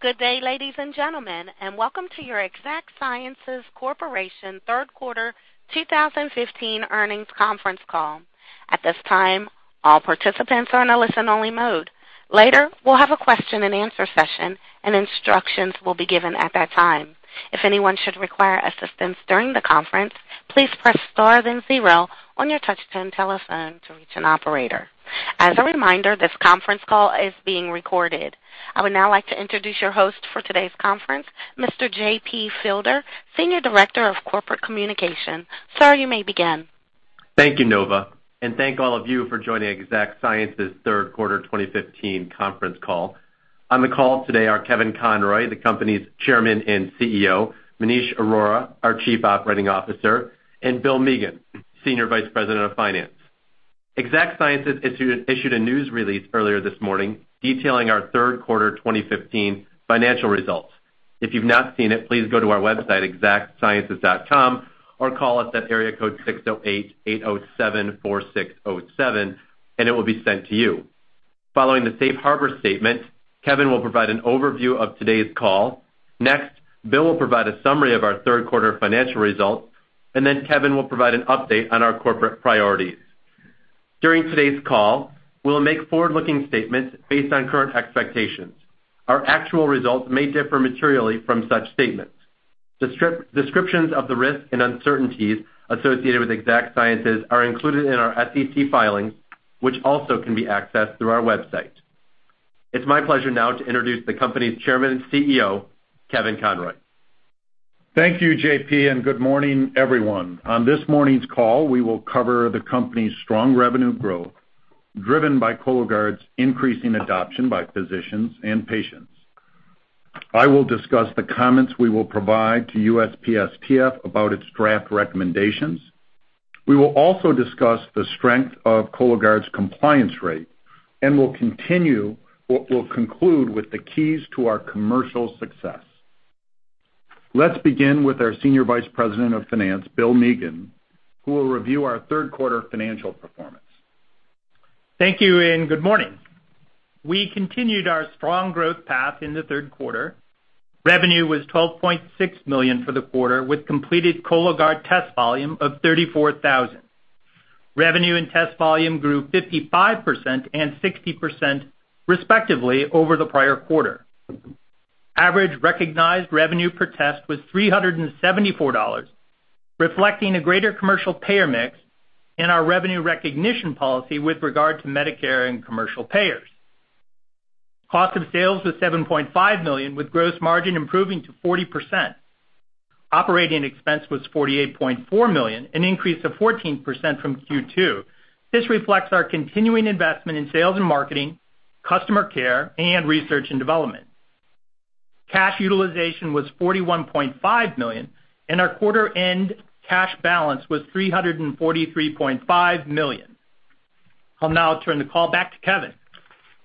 Good day, ladies and gentlemen, and welcome to your Exact Sciences Corporation 3rd quarter 2015 earnings conference call. At this time, all participants are in a listen-only mode. Later, we'll have a question-and-answer session, and instructions will be given at that time. If anyone should require assistance during the conference, please press star then zero on your touch-tone telephone to reach an operator. As a reminder, this conference call is being recorded. I would now like to introduce your host for today's conference, Mr. Jay P. Fielder, Senior Director of Corporate Communication. Sir, you may begin. Thank you, Nova, and thank all of you for joining Exact Sciences 3rd quarter 2015 conference call. On the call today are Kevin Conroy, the company's chairman and CEO; Maneesh Arora, our chief operating officer; and Bill Meagan, Senior Vice President of Finance. Exact Sciences issued a news release earlier this morning detailing our 3rd quarter 2015 financial results. If you've not seen it, please go to our website, exactsciences.com, or call us at area code 608-807-4607, and it will be sent to you. Following the safe harbor statement, Kevin will provide an overview of today's call. Next, Bill will provide a summary of our 3rd quarter financial results, and then Kevin will provide an update on our corporate priorities. During today's call, we'll make forward-looking statements based on current expectations. Our actual results may differ materially from such statements. Descriptions of the risks and uncertainties associated with Exact Sciences are included in our SEC filings, which also can be accessed through our website. It's my pleasure now to introduce the company's chairman and CEO, Kevin Conroy. Thank you, JP, and good morning, everyone. On this morning's call, we will cover the company's strong revenue growth driven by Cologuard's increasing adoption by physicians and patients. I will discuss the comments we will provide to USPSTF about its draft recommendations. We will also discuss the strength of Cologuard's compliance rate and will conclude with the keys to our commercial success. Let's begin with our Senior Vice President of Finance, Bill Mahoney, who will review our 3rd quarter financial performance. Thank you and good morning. We continued our strong growth path in the 3rd quarter. Revenue was $126 million for the quarter, with completed Cologuard test volume of 340,000. Revenue and test volume grew 55% and 60%, respectively, over the prior quarter. Average recognized revenue per test was $374, reflecting a greater commercial payer mix in our revenue recognition policy with regard to Medicare and commercial payers. Cost of sales was $75 million, with gross margin improving to 40%. Operating expense was $48.4 million, an increase of 14% from Q2. This reflects our continuing investment in sales and marketing, customer care, and research and development. Cash utilization was $41.5 million, and our quarter-end cash balance was $343.5 million. I'll now turn the call back to Kevin.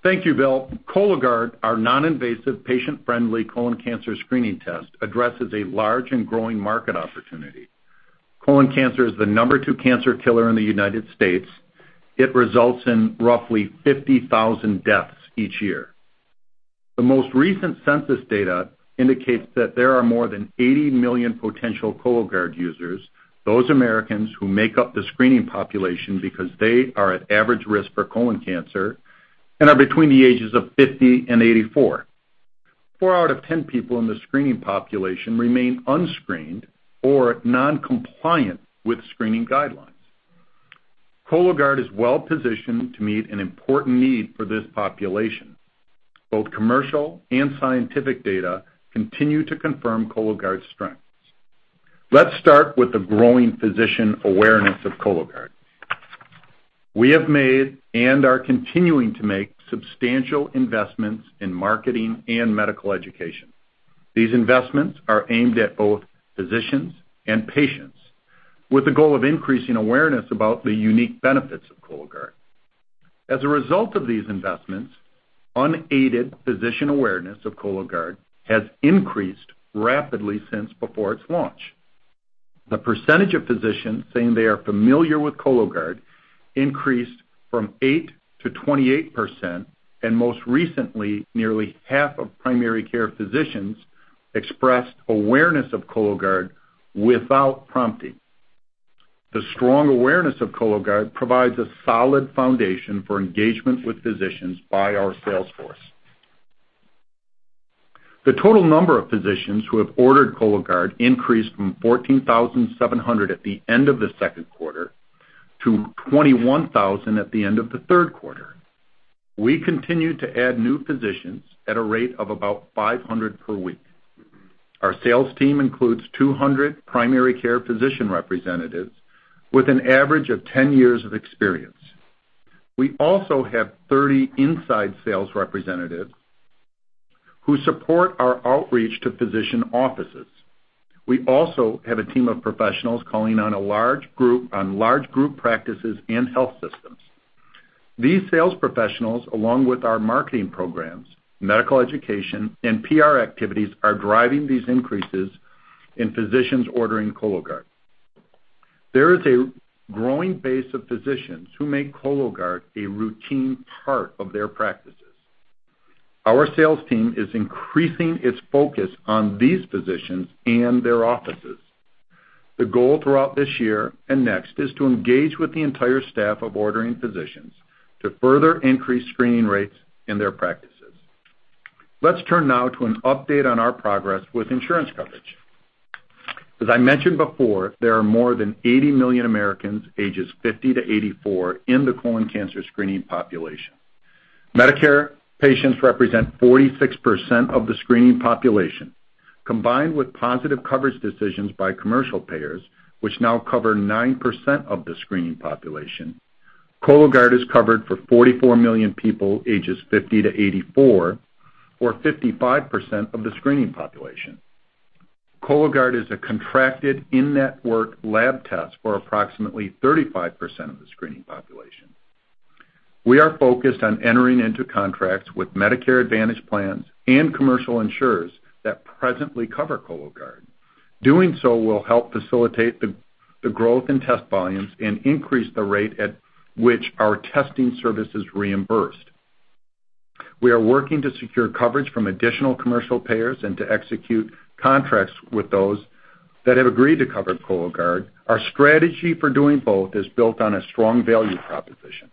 Thank you, Bill. Cologuard, our non-invasive, patient-friendly colon cancer screening test, addresses a large and growing market opportunity. Colon cancer is the number two cancer killer in the United States. It results in roughly 50,000 deaths each year. The most recent census data indicates that there are more than 80 million potential Cologuard users, those Americans who make up the screening population because they are at average risk for colon cancer and are between the ages of 50 and 84. Four out of ten people in the screening population remain unscreened or non-compliant with screening guidelines. Cologuard is well positioned to meet an important need for this population. Both commercial and scientific data continue to confirm Cologuard's strengths. Let's start with the growing physician awareness of Cologuard. We have made and are continuing to make substantial investments in marketing and medical education. These investments are aimed at both physicians and patients, with the goal of increasing awareness about the unique benefits of Cologuard. As a result of these investments, unaided physician awareness of Cologuard has increased rapidly since before its launch. The percentage of physicians saying they are familiar with Cologuard increased from 8% - 28%, and most recently, nearly half of primary care physicians expressed awareness of Cologuard without prompting. The strong awareness of Cologuard provides a solid foundation for engagement with physicians by our sales force. The total number of physicians who have ordered Cologuard increased from 14,700 at the end of the 2nd quarter to 21,000 at the end of the 3rd quarter. We continue to add new physicians at a rate of about 500 per week. Our sales team includes 200 primary care physician representatives with an average of 10 years of experience. We also have 30 inside sales representatives who support our outreach to physician offices. We also have a team of professionals calling on large group practices and health systems. These sales professionals, along with our marketing programs, medical education, and PR activities, are driving these increases in physicians ordering Cologuard. There is a growing base of physicians who make Cologuard a routine part of their practices. Our sales team is increasing its focus on these physicians and their offices. The goal throughout this year and next is to engage with the entire staff of ordering physicians to further increase screening rates in their practices. Let's turn now to an update on our progress with insurance coverage. As I mentioned before, there are more than 80 million Americans ages 50 to 84 in the colon cancer screening population. Medicare patients represent 46% of the screening population. Combined with positive coverage decisions by commercial payers, which now cover 9% of the screening population, Cologuard is covered for 44 million people ages 50 - 84, or 55% of the screening population. Cologuard is a contracted in-network lab test for approximately 35% of the screening population. We are focused on entering into contracts with Medicare Advantage plans and commercial insurers that presently cover Cologuard. Doing so will help facilitate the growth in test volumes and increase the rate at which our testing service is reimbursed. We are working to secure coverage from additional commercial payers and to execute contracts with those that have agreed to cover Cologuard. Our strategy for doing both is built on a strong value proposition.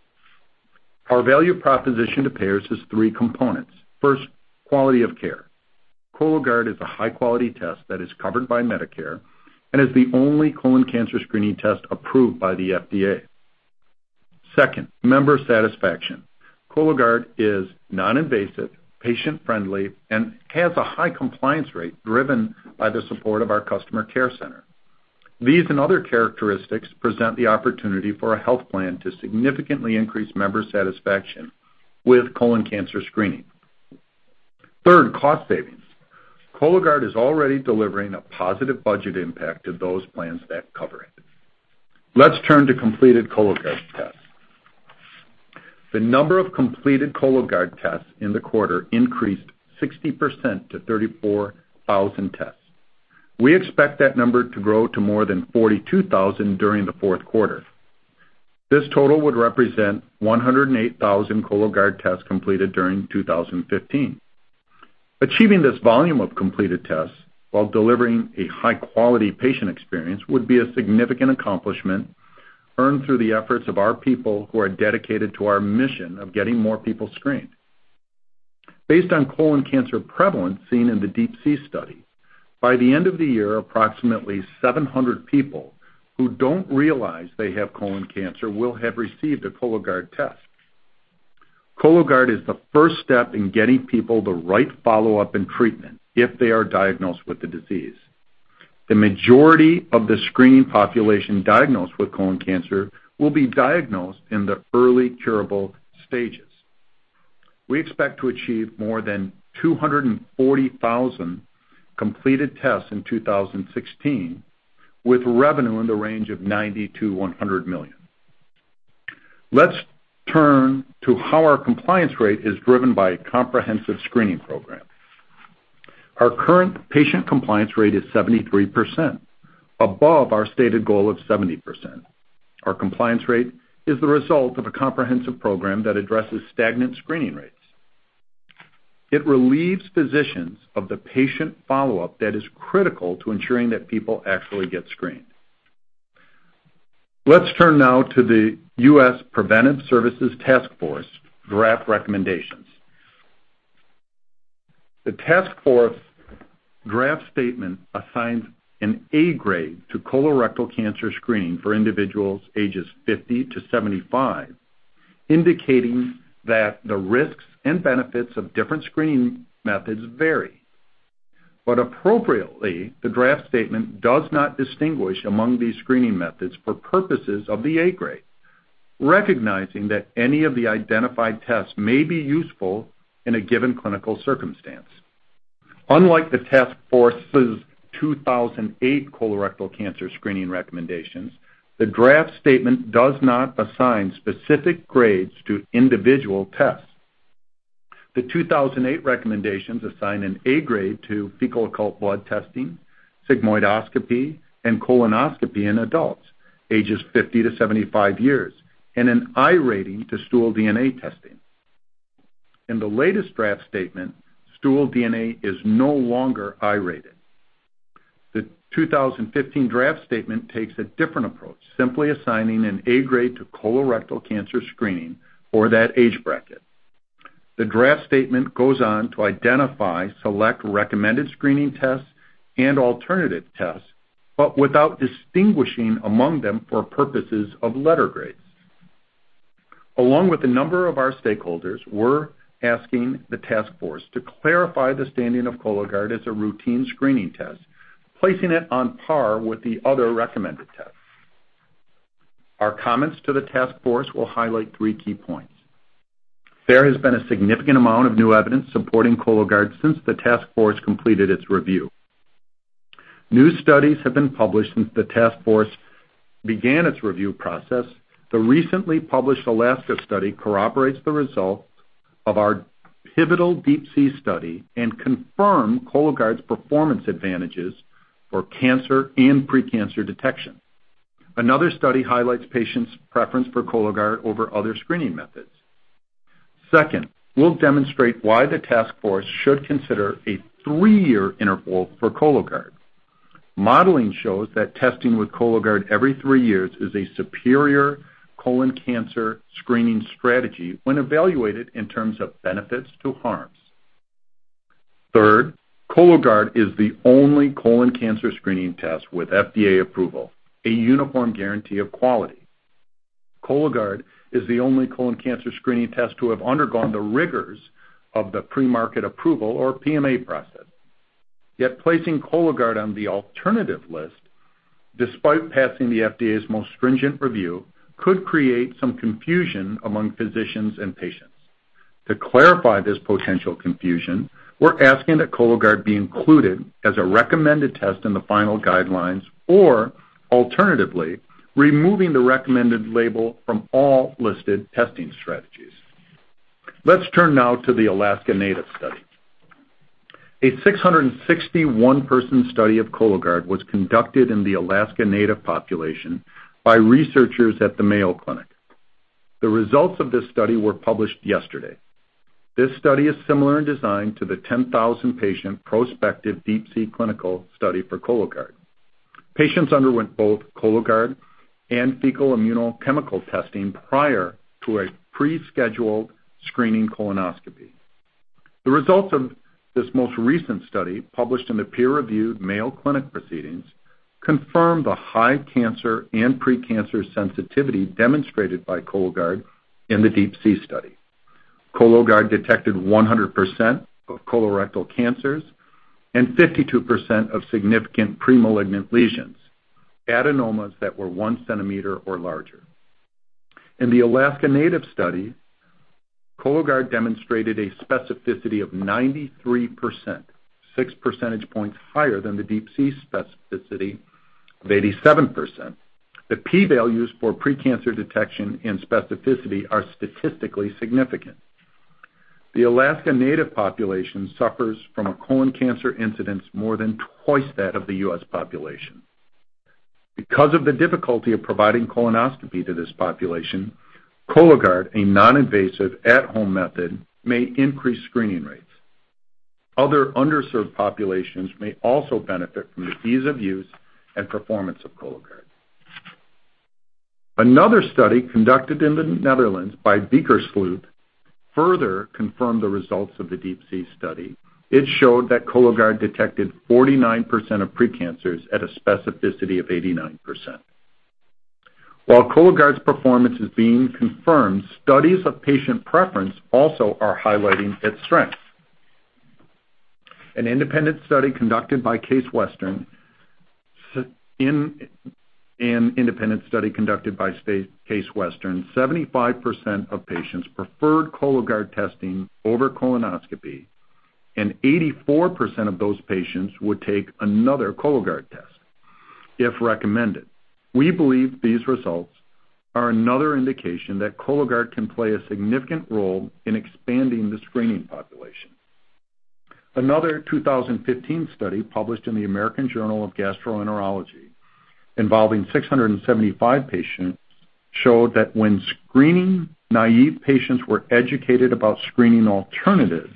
Our value proposition to payers has three components. 1st, quality of care. Cologuard is a high-quality test that is covered by Medicare and is the only colon cancer screening test approved by the FDA. 2nd, member satisfaction. Cologuard is non-invasive, patient-friendly, and has a high compliance rate driven by the support of our customer care center. These and other characteristics present the opportunity for a health plan to significantly increase member satisfaction with colon cancer screening. 3rd, cost savings. Cologuard is already delivering a positive budget impact to those plans that cover it. Let's turn to completed Cologuard tests. The number of completed Cologuard tests in the quarter increased 60% to 34,000 tests. We expect that number to grow to more than 42,000 during the 4th quarter. This total would represent 108,000 Cologuard tests completed during 2015. Achieving this volume of completed tests while delivering a high-quality patient experience would be a significant accomplishment earned through the efforts of our people who are dedicated to our mission of getting more people screened. Based on colon cancer prevalence seen in the Deep Sea study, by the end of the year, approximately 700 people who don't realize they have colon cancer will have received a Cologuard test. Cologuard is the1st step in getting people the right follow-up and treatment if they are diagnosed with the disease. The majority of the screening population diagnosed with colon cancer will be diagnosed in the early curable stages. We expect to achieve more than 240,000 completed tests in 2016, with revenue in the range of 90 to 100 million. Let's turn to how our compliance rate is driven by a comprehensive screening program. Our current patient compliance rate is 73%, above our stated goal of 70%. Our compliance rate is the result of a comprehensive program that addresses stagnant screening rates. It relieves physicians of the patient follow-up that is critical to ensuring that people actually get screened. Let's turn now to the U.S. Preventive Services Task Force draft recommendations. The task force draft statement assigns an A grade to colorectal cancer screening for individuals ages 50 - 75, indicating that the risks and benefits of different screening methods vary. But appropriately, the draft statement does not distinguish among these screening methods for purposes of the A grade, recognizing that any of the identified tests may be useful in a given clinical circumstance. Unlike the task force's 2008 colorectal cancer screening recommendations, the draft statement does not assign specific grades to individual tests. The 2008 recommendations assign an A grade to fecal occult blood testing, sigmoidoscopy, and colonoscopy in adults ages 50 - 75 years, and an I rating to stool DNA testing. In the latest draft statement, stool DNA is no longer I rated. The 2015 draft statement takes a different approach, simply assigning an A grade to colorectal cancer screening for that age bracket. The draft statement goes on to identify, select recommended screening tests and alternative tests, but without distinguishing among them for purposes of letter grades. Along with a number of our stakeholders, we're asking the task force to clarify the standing of Cologuard as a routine screening test, placing it on par with the other recommended tests. Our comments to the task force will highlight three key points. There has been a significant amount of new evidence supporting Cologuard since the task force completed its review. New studies have been published since the task force began its review process. The recently published Alaska study corroborates the results of our pivotal Deep Sea study and confirms Cologuard's performance advantages for cancer and precancer detection. Another study highlights patients' preference for Cologuard over other screening methods. 2nd, we'll demonstrate why the task force should consider a three-year interval for Cologuard. Modeling shows that testing with Cologuard every three years is a superior colon cancer screening strategy when evaluated in terms of benefits to harms. 3rd, Cologuard is the only colon cancer screening test with FDA approval, a uniform guarantee of quality. Cologuard is the only colon cancer screening test to have undergone the rigors of the pre-market approval or PMA process. Yet placing Cologuard on the alternative list, despite passing the FDA's most stringent review, could create some confusion among physicians and patients. To clarify this potential confusion, we're asking that Cologuard be included as a recommended test in the final guidelines or, alternatively, removing the recommended label from all listed testing strategies. Let's turn now to the Alaska Native study. A 661-person study of Cologuard was conducted in the Alaska Native population by researchers at the Mayo Clinic. The results of this study were published yesterday. This study is similar in design to the 10,000-patient prospective Deep Sea clinical study for Cologuard. Patients underwent both Cologuard and fecal immunochemical testing prior to a prescheduled screening colonoscopy. The results of this most recent study, published in the peer-reviewed Mayo Clinic proceedings, confirm the high cancer and precancer sensitivity demonstrated by Cologuard in the Deep Sea study. Cologuard detected 100% of colorectal cancers and 52% of significant premalignant lesions, adenomas that were one centimeter or larger. In the Alaska Native study, Cologuard demonstrated a specificity of 93%, six percentage points higher than the Deep Sea specificity of 87%. The P-values for precancer detection and specificity are statistically significant. The Alaska Native population suffers from a colon cancer incidence more than twice that of the US population. Because of the difficulty of providing colonoscopy to this population, Cologuard, a non-invasive at-home method, may increase screening rates. Other underserved populations may also benefit from the ease of use and performance of Cologuard. Another study conducted in the Netherlands by Beeker Sloot further confirmed the results of the Deep Sea study. It showed that Cologuard detected 49% of precancers at a specificity of 89%. While Cologuard's performance is being confirmed, studies of patient preference also are highlighting its strengths. An independent study conducted by Case Western, an independent study conducted by Case Western, 75% of patients preferred Cologuard testing over colonoscopy, and 84% of those patients would take another Cologuard test if recommended. We believe these results are another indication that Cologuard can play a significant role in expanding the screening population. Another 2015 study published in the American Journal of Gastroenterology involving 675 patients showed that when screening naive patients were educated about screening alternatives,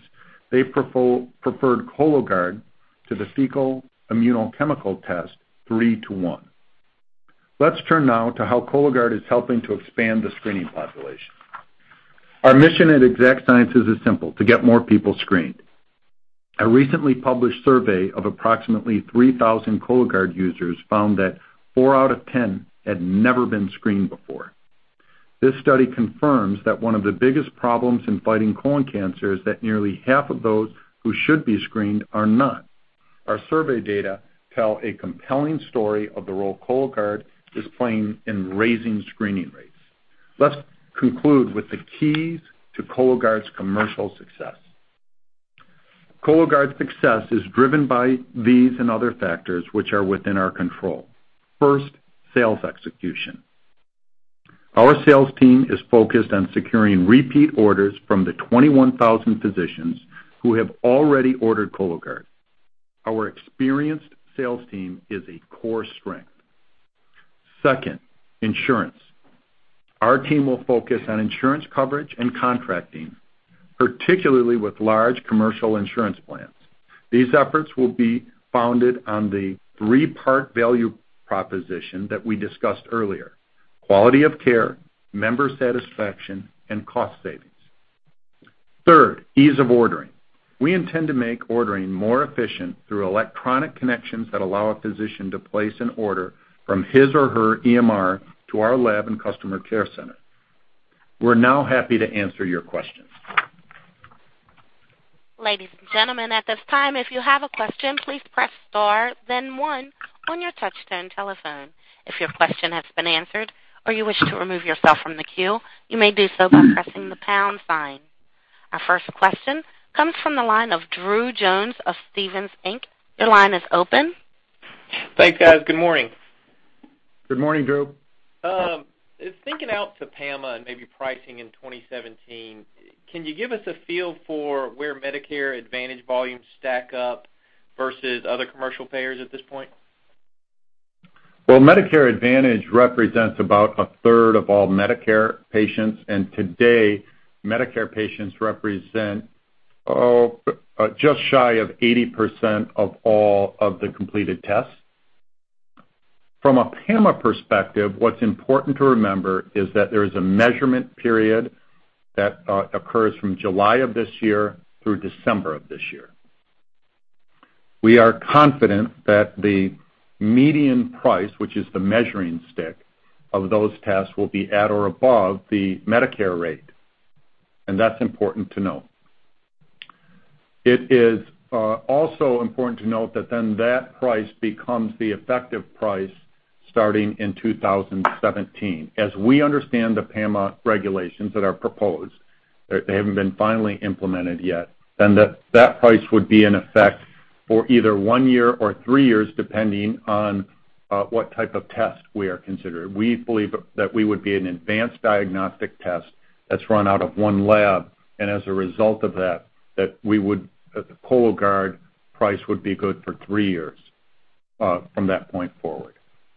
they preferred Cologuard to the fecal immunochemical test three to one. Let's turn now to how Cologuard is helping to expand the screening population. Our mission at Exact Sciences is simple: to get more people screened. A recently published survey of approximately 3,000 Cologuard users found that 4 out of 10 had never been screened before. This study confirms that one of the biggest problems in fighting colon cancer is that nearly half of those who should be screened are not. Our survey data tell a compelling story of the role Cologuard is playing in raising screening rates. Let's conclude with the keys to Cologuard's commercial success. Cologuard's success is driven by these and other factors which are within our control. 1st, sales execution. Our sales team is focused on securing repeat orders from the 21,000 physicians who have already ordered Cologuard. Our experienced sales team is a core strength. 2nd, insurance. Our team will focus on insurance coverage and contracting, particularly with large commercial insurance plans. These efforts will be founded on the three-part value proposition that we discussed earlier: quality of care, member satisfaction, and cost savings. 3rd, ease of ordering. We intend to make ordering more efficient through electronic connections that allow a physician to place an order from his or her EMR to our lab and customer care center. We're now happy to answer your questions. Ladies and gentlemen, at this time, if you have a question, please press star, then one on your touchscreen telephone. If your question has been answered or you wish to remove yourself from the queue, you may do so by pressing the pound sign. Our 1st question comes from the line of Drew Jones of Stevens Inc. Your line is open. Thanks, guys. Good morning. Good morning, Drew. Thinking out to PAMA and maybe pricing in 2017, can you give us a feel for where Medicare Advantage volumes stack up versus other commercial payers at this point? Well, Medicare Advantage represents about a 3rd of all Medicare patients, and today, Medicare patients represent just shy of 80% of all of the completed tests. From a PAMA perspective, what's important to remember is that there is a measurement period that occurs from July of this year through December of this year. We are confident that the median price, which is the measuring stick of those tests, will be at or above the Medicare rate, and that's important to note. It is also important to note that then that price becomes the effective price starting in 2017. As we understand the PAMA regulations that are proposed, they haven't been finally implemented yet, and that price would be in effect for either one year or three years, depending on what type of test we are considering. We believe that we would be an advanced diagnostic test that's run out of one lab, and as a result of that, that Cologuard price would be good for three years from that point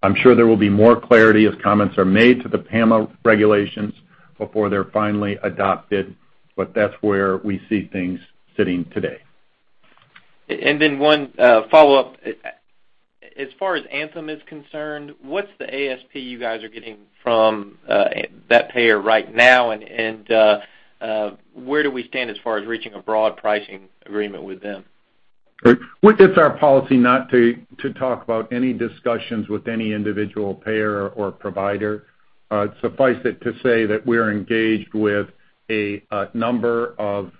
forward. I'm sure there will be more clarity as comments are made to the PAMA regulations before they're finally adopted, but that's where we see things sitting today. And then one follow-up. As far as Anthem is concerned, what's the ASP you guys are getting from that payer right now, and where do we stand as far as reaching a broad pricing agreement with them? It's our policy not to talk about any discussions with any individual payer or provider. Suffice it to say that we're engaged with a number of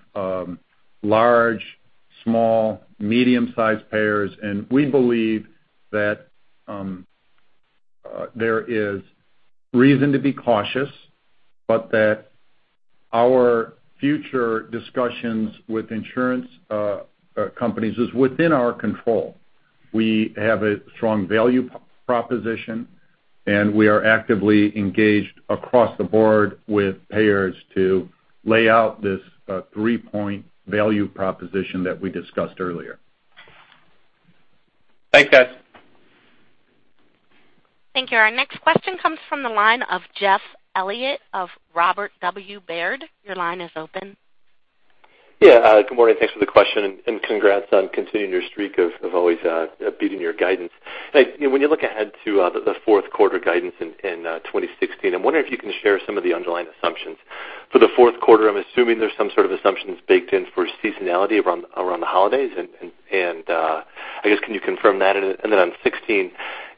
large, small, medium-sized payers, and we believe that there is reason to be cautious, but that our future discussions with insurance companies is within our control. We have a strong value proposition, and we are actively engaged across the board with payers to lay out this three-point value proposition that we discussed earlier. Thanks, guys. Thank you. Our next question comes from the line of Jeff Elliott of Robert W. Baird. Your line is open. Yeah. Good morning. Thanks for the question, and congrats on continuing your streak of always beating your guidance. When you look ahead to the 4th quarter guidance in 2016, I'm wondering if you can share some of the underlying assumptions. For the 4th quarter, I'm assuming there's some sort of assumptions baked in for seasonality around the holidays, and I guess, can you confirm that? And then on 2016,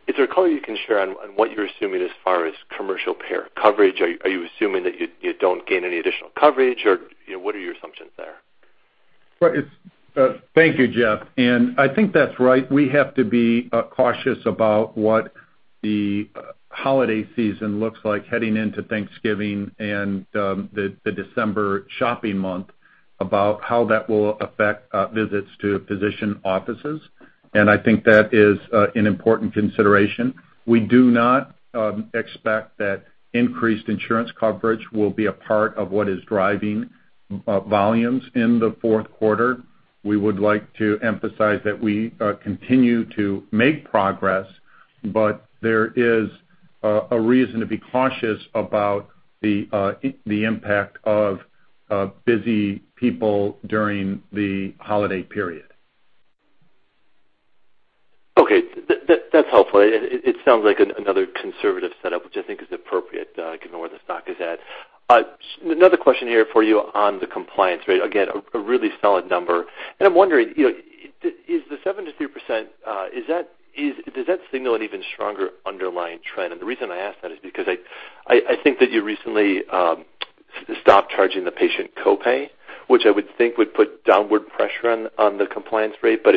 is there a color you can share on what you're assuming as far as commercial payer coverage? Are you assuming that you don't gain any additional coverage, or what are your assumptions there? Thank you, Jeff. And I think that's right. We have to be cautious about what the holiday season looks like heading into Thanksgiving and the December shopping month, about how that will affect visits to physician offices, and I think that is an important consideration. We do not expect that increased insurance coverage will be a part of what is driving volumes in the 4th quarter. We would like to emphasize that we continue to make progress, but there is a reason to be cautious about the impact of busy people during the holiday period. Okay. That's helpful. It sounds like another conservative setup, which I think is appropriate given where the stock is at. Another question here for you on the compliance rate. Again, a really solid number. And I'm wondering, is the 73%, does that signal an even stronger underlying trend? And the reason I ask that is because I think that you recently stopped charging the patient copay, which I would think would put downward pressure on the compliance rate, but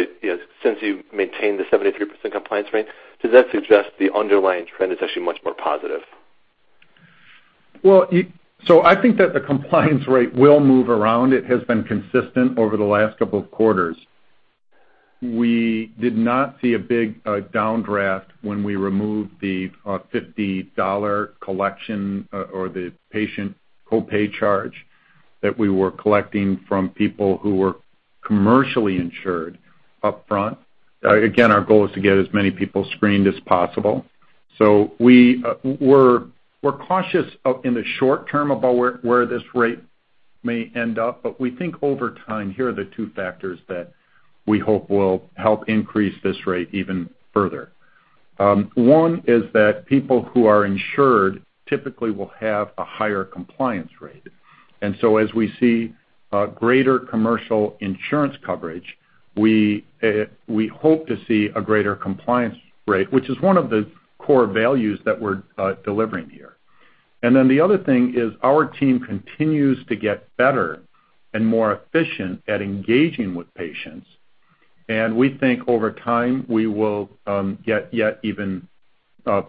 since you maintain the 73% compliance rate, does that suggest the underlying trend is actually much more positive? Well, so I think that the compliance rate will move around. It has been consistent over the last couple of quarters. We did not see a big downdraft when we removed the $50 collection or the patient copay charge that we were collecting from people who were commercially insured upfront. Again, our goal is to get as many people screened as possible. So we're cautious in the short term about where this rate may end up, but we think over time, here are the two factors that we hope will help increase this rate even further. One is that people who are insured typically will have a higher compliance rate. And so as we see greater commercial insurance coverage, we hope to see a greater compliance rate, which is one of the core values that we're delivering here. And then the other thing is our team continues to get better and more efficient at engaging with patients, and we think over time we will get yet even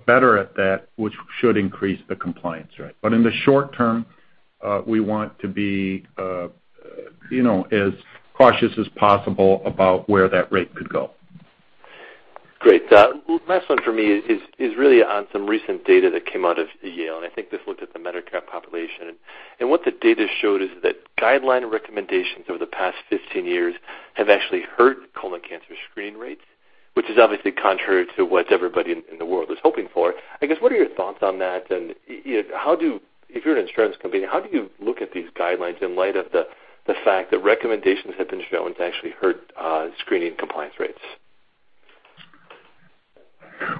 better at that, which should increase the compliance rate. But in the short term, we want to be as cautious as possible about where that rate could go. Great. Last one for me is really on some recent data that came out of Yale, and I think this looked at the Medicare population. And what the data showed is that guideline recommendations over the past 15 years have actually hurt colon cancer screening rates, which is obviously contrary to what everybody in the world is hoping for. I guess, what are your thoughts on that? And if you're an insurance company, how do you look at these guidelines in light of the fact that recommendations have been shown to actually hurt screening compliance rates?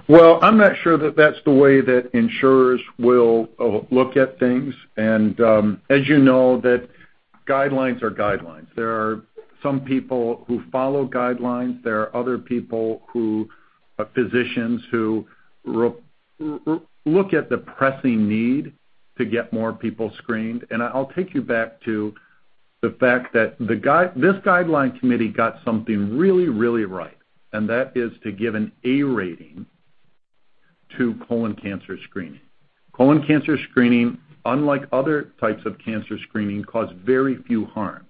Well, I'm not sure that that's the way that insurers will look at things, and as you know, guidelines are guidelines. There are some people who follow guidelines. There are other people, physicians, who look at the pressing need to get more people screened. And I'll take you back to the fact that this guideline committee got something really, really right, and that is to give an A rating to colon cancer screening. Colon cancer screening, unlike other types of cancer screening, causes very few harms.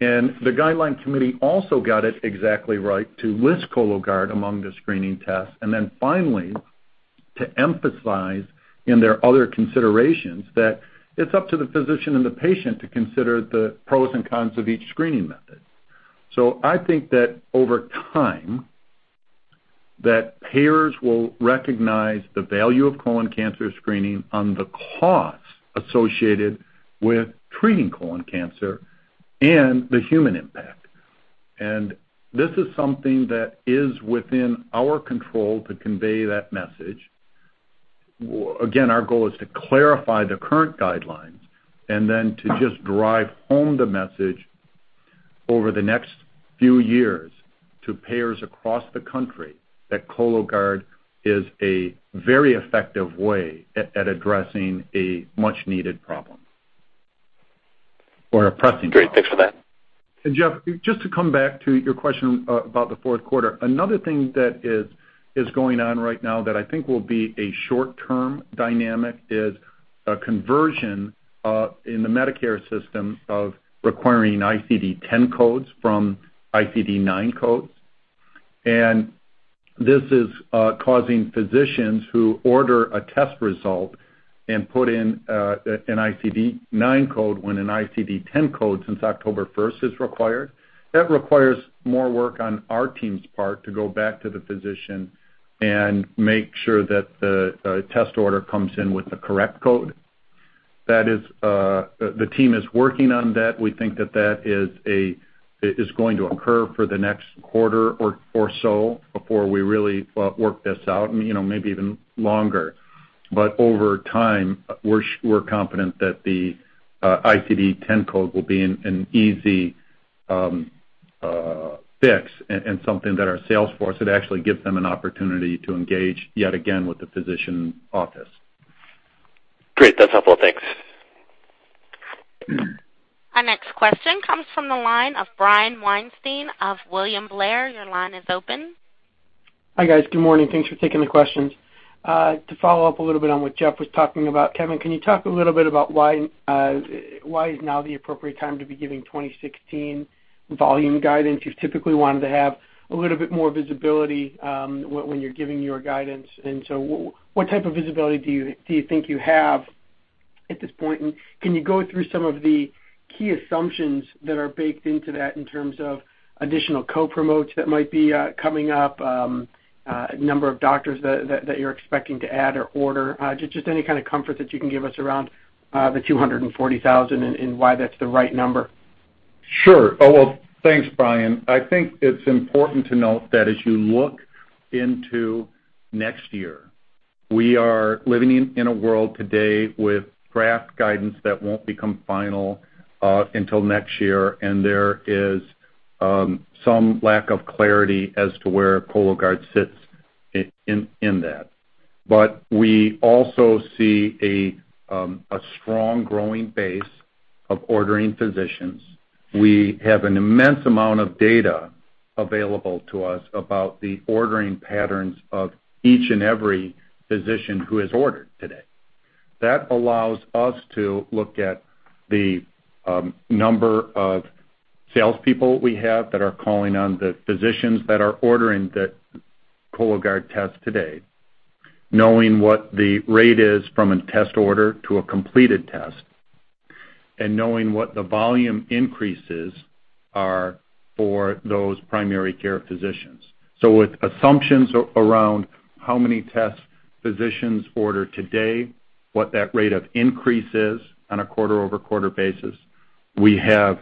And the guideline committee also got it exactly right to list Cologuard among the screening tests, and then finally to emphasize in their other considerations that it's up to the physician and the patient to consider the pros and cons of each screening method. So I think that over time, payers will recognize the value of colon cancer screening on the cost associated with treating colon cancer and the human impact. And this is something that is within our control to convey that message. Again, our goal is to clarify the current guidelines and then to just drive home the message over the next few years to payers across the country that Cologuard is a very effective way at addressing a much-needed problem or a pressing problem. Great. Thanks for that. And Jeff, just to come back to your question about the 4th quarter, another thing that is going on right now that I think will be a short-term dynamic is a conversion in the Medicare system of requiring ICD-10 codes from ICD-9 codes. And this is causing physicians who order a test result and put in an ICD-9 code when an ICD-10 code since October 1st is required. That requires more work on our team's part to go back to the physician and make sure that the test order comes in with the correct code. The team is working on that. We think that that is going to occur for the next quarter or so before we really work this out, and maybe even longer. But over time, we're confident that the ICD-10 code will be an easy fix and something that our sales force would actually give them an opportunity to engage yet again with the physician office. Great. That's helpful. Thanks. Our next question comes from the line of Brian Weinstein of William Blair. Your line is open. Hi, guys. Good morning. Thanks for taking the questions. To follow up a little bit on what Jeff was talking about, Kevin, can you talk a little bit about why is now the appropriate time to be giving 2016 volume guidance? You've typically wanted to have a little bit more visibility when you're giving your guidance. And so what type of visibility do you think you have at this point? And can you go through some of the key assumptions that are baked into that in terms of additional co-promotes that might be coming up, number of doctors that you're expecting to add or order, just any kind of comfort that you can give us around the 240,000 and why that's the right number? Sure. Oh, well, thanks, Brian. I think it's important to note that as you look into next year, we are living in a world today with draft guidance that won't become final until next year, and there is some lack of clarity as to where Cologuard sits in that. But we also see a strong growing base of ordering physicians. We have an immense amount of data available to us about the ordering patterns of each and every physician who has ordered today. That allows us to look at the number of salespeople we have that are calling on the physicians that are ordering the Cologuard test today, knowing what the rate is from a test order to a completed test, and knowing what the volume increases are for those primary care physicians. So with assumptions around how many tests physicians order today, what that rate of increase is on a quarter-over-quarter basis, we have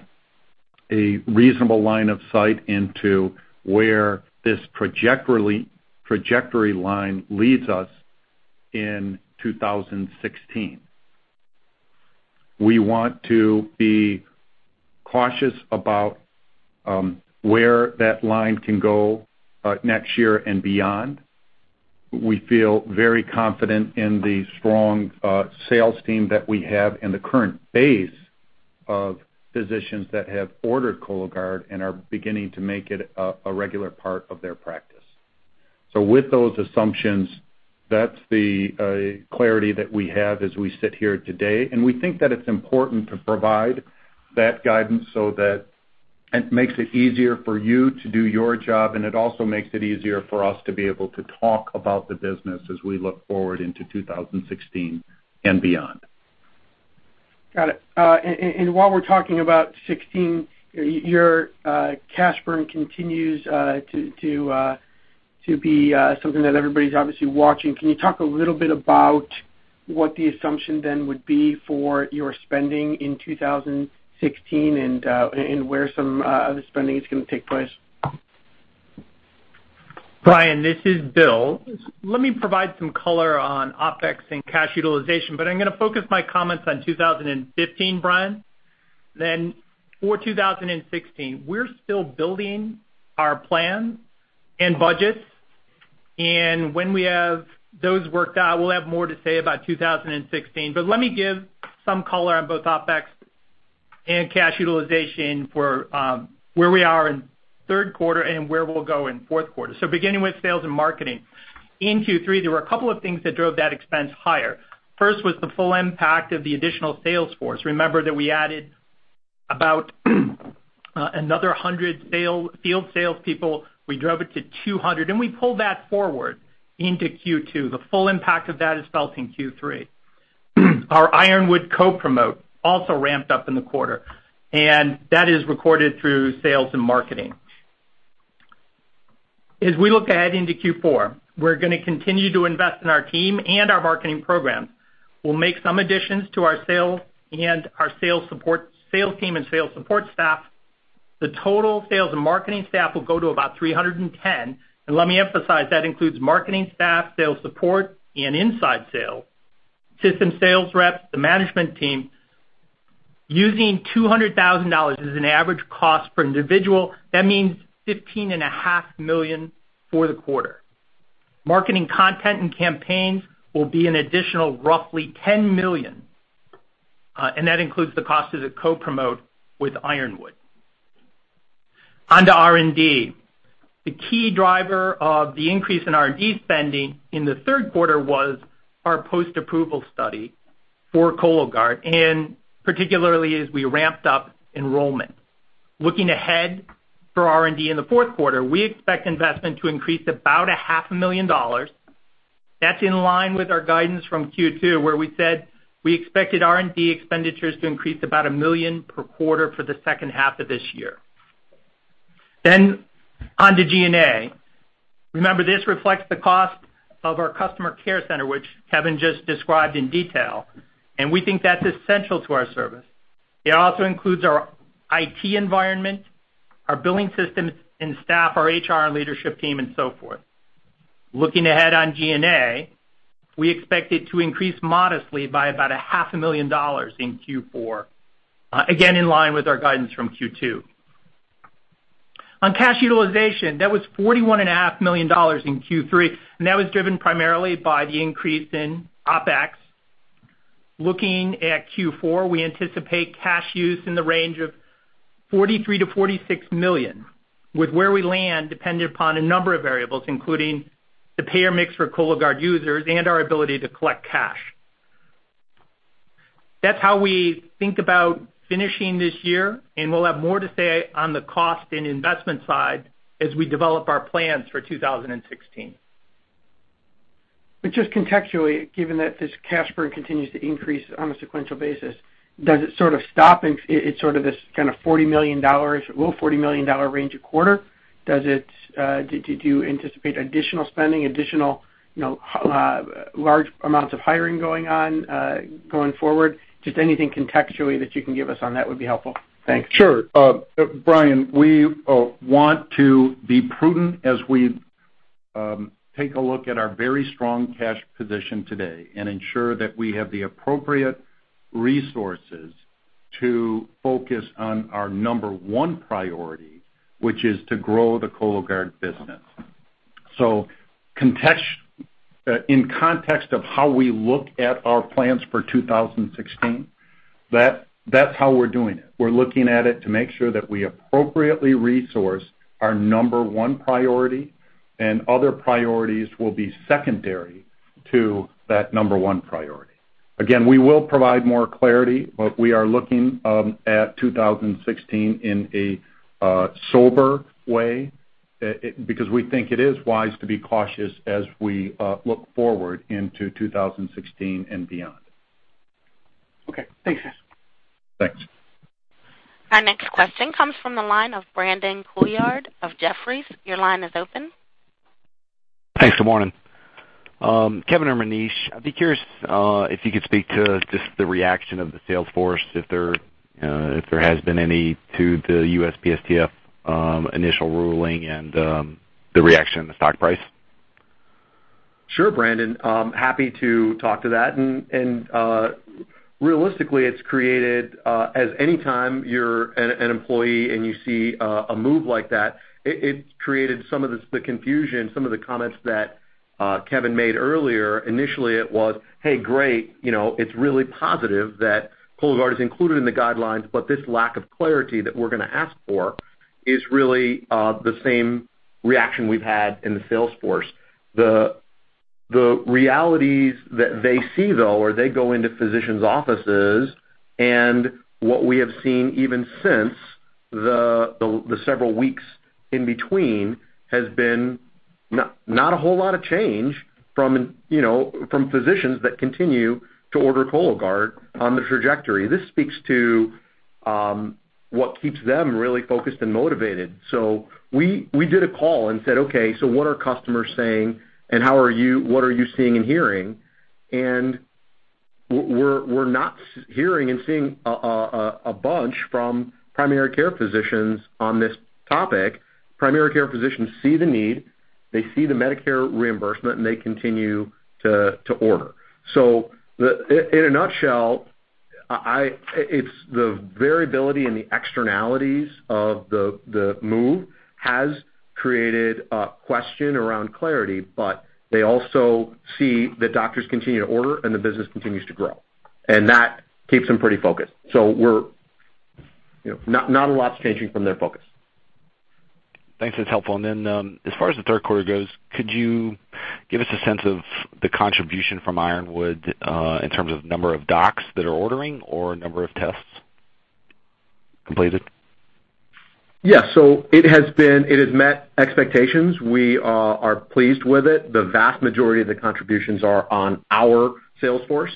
a reasonable line of sight into where this trajectory line leads us in 2016. We want to be cautious about where that line can go next year and beyond. We feel very confident in the strong sales team that we have in the current base of physicians that have ordered Cologuard and are beginning to make it a regular part of their practice. So with those assumptions, that's the clarity that we have as we sit here today. And we think that it's important to provide that guidance so that it makes it easier for you to do your job, and it also makes it easier for us to be able to talk about the business as we look forward into 2016 and beyond. Got it. And while we're talking about 2016, your cash burn continues to be something that everybody's obviously watching. Can you talk a little bit about what the assumption then would be for your spending in 2016 and where some of the spending is going to take place? Brian, this is Bill. Let me provide some color on OpEx and cash utilization, but I'm going to focus my comments on 2015, Brian. Then for 2016, we're still building our plan and budgets, and when we have those worked out, we'll have more to say about 2016. But let me give some color on both OpEx and cash utilization for where we are in 3rd quarter and where we'll go in 4th quarter. So beginning with sales and marketing, in Q3, there were a couple of things that drove that expense higher. 1st was the full impact of the additional sales force. Remember that we added about another 100 field salespeople. We drove it to 200, and we pulled that forward into Q2. The full impact of that is felt in Q3. Our Ironwood co-promote also ramped up in the quarter, and that is recorded through sales and marketing. As we look ahead into Q4, we're going to continue to invest in our team and our marketing programs. We'll make some additions to our sales team and sales support staff. The total sales and marketing staff will go to about 310. And let me emphasize, that includes marketing staff, sales support, and inside sales, system sales reps, the management team. Using $200,000 is an average cost per individual. That means 15 and a half million for the quarter. Marketing content and campaigns will be an additional roughly 10 million, and that includes the cost of the co-promote with Ironwood. On to R&D. The key driver of the increase in R&D spending in the 3rd quarter was our post-approval study for Cologuard, and particularly as we ramped up enrollment. Looking ahead for R&D in the 4th quarter, we expect investment to increase about a half a million dollars. That's in line with our guidance from Q2, where we said we expected R&D expenditures to increase about a million per quarter for the 2nd half of this year. Then on to G&A. Remember, this reflects the cost of our customer care center, which Kevin just described in detail, and we think that's essential to our service. It also includes our IT environment, our billing systems and staff, our HR and leadership team, and so forth. Looking ahead on G&A, we expect it to increase modestly by about a half a million dollars in Q4, again in line with our guidance from Q2. On cash utilization, that was 41 and a half million dollars in Q3, and that was driven primarily by the increase in OpEx. Looking at Q4, we anticipate cash use in the range of 43 to 46 million, with where we land depending upon a number of variables, including the payer mix for Cologuard users and our ability to collect cash. That's how we think about finishing this year, and we'll have more to say on the cost and investment side as we develop our plans for 2016. But just contextually, given that this cash burn continues to increase on a sequential basis, does it sort of stop in sort of this kind of 40 million dollars, low 40 million dollar range a quarter? Do you anticipate additional spending, additional large amounts of hiring going on going forward? Just anything contextually that you can give us on that would be helpful. Thanks. Sure. Brian, we want to be prudent as we take a look at our very strong cash position today and ensure that we have the appropriate resources to focus on our number one priority, which is to grow the Cologuard business. So in context of how we look at our plans for 2016, that's how we're doing it. We're looking at it to make sure that we appropriately resource our number one priority, and other priorities will be secondary to that number one priority. Again, we will provide more clarity, but we are looking at 2016 in a sober way because we think it is wise to be cautious as we look forward into 2016 and beyond. Okay. Thanks, guys. Thanks. Our next question comes from the line of Brandon Colyard of Jefferies. Your line is open. Thanks for warning. Kevin or Manish, I'd be curious if you could speak to just the reaction of the sales force, if there has been any, to the USPSTF initial ruling and the reaction in the stock price. Sure, Brandon. Happy to talk to that. And realistically, it's created, as any time you're an employee and you see a move like that, it created some of the confusion, some of the comments that Kevin made earlier. Initially, it was, "Hey, great. It's really positive that Cologuard is included in the guidelines, but this lack of clarity that we're going to ask for is really the same reaction we've had in the sales force." The realities that they see, though, are they go into physicians' offices, and what we have seen even since the several weeks in between has been not a whole lot of change from physicians that continue to order Cologuard on the trajectory. This speaks to what keeps them really focused and motivated. So we did a call and said, "Okay, so what are customers saying, and what are you seeing and hearing?" And we're not hearing and seeing a bunch from primary care physicians on this topic. Primary care physicians see the need, they see the Medicare reimbursement, and they continue to order. So in a nutshell, it's the variability and the externalities of the move that has created a question around clarity, but they also see that doctors continue to order and the business continues to grow, and that keeps them pretty focused. So not a lot's changing from their focus. Thanks. That's helpful. And then as far as the 3rd quarter goes, could you give us a sense of the contribution from Ironwood in terms of number of docs that are ordering or number of tests completed? Yeah. So it has met expectations. We are pleased with it. The vast majority of the contributions are from our sales force,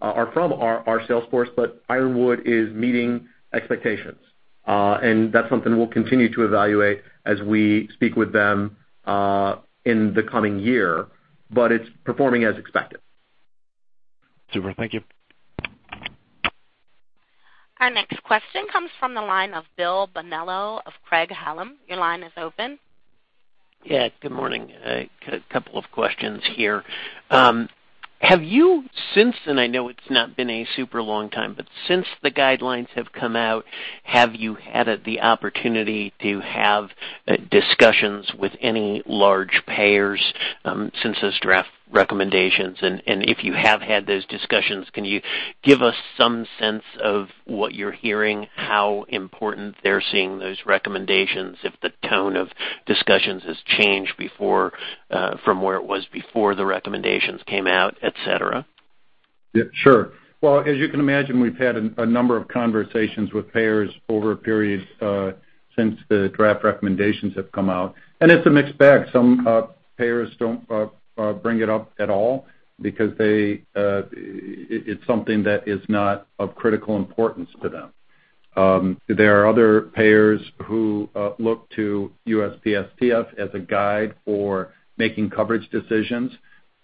but Ironwood is meeting expectations. And that's something we'll continue to evaluate as we speak with them in the coming year, but it's performing as expected. Super. Thank you. Our next question comes from the line of Bill Bonello of Craig Hallam. Your line is open. Yeah. Good morning. A couple of questions here. Since—and I know it's not been a super long time—but since the guidelines have come out, have you had the opportunity to have discussions with any large payers since those draft recommendations? And if you have had those discussions, can you give us some sense of what you're hearing, how important they're seeing those recommendations, if the tone of discussions has changed from where it was before the recommendations came out, etc.? Yeah. Sure. Well, as you can imagine, we've had a number of conversations with payers over a period since the draft recommendations have come out. And it's a mixed bag. Some payers don't bring it up at all because it's something that is not of critical importance to them. There are other payers who look to USPSTF as a guide for making coverage decisions.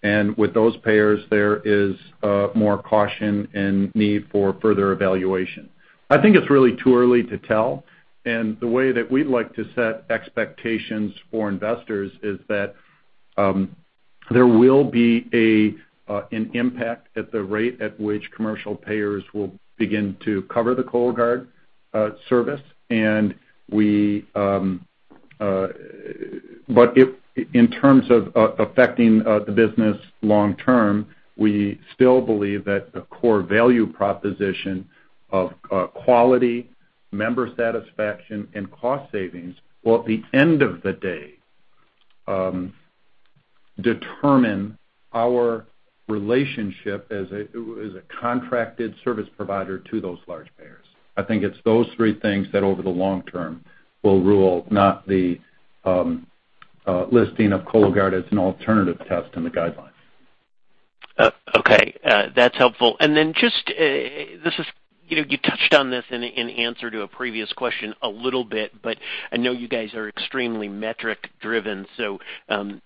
And with those payers, there is more caution and need for further evaluation. I think it's really too early to tell. And the way that we'd like to set expectations for investors is that there will be an impact at the rate at which commercial payers will begin to cover the Cologuard service. But in terms of affecting the business long term, we still believe that the core value proposition of quality, member satisfaction, and cost savings will, at the end of the day, determine our relationship as a contracted service provider to those large payers. I think it's those three things that over the long term will rule, not the listing of Cologuard as an alternative test in the guidelines. Okay. That's helpful. And then just this is—you touched on this in answer to a previous question a little bit, but I know you guys are extremely metric-driven, so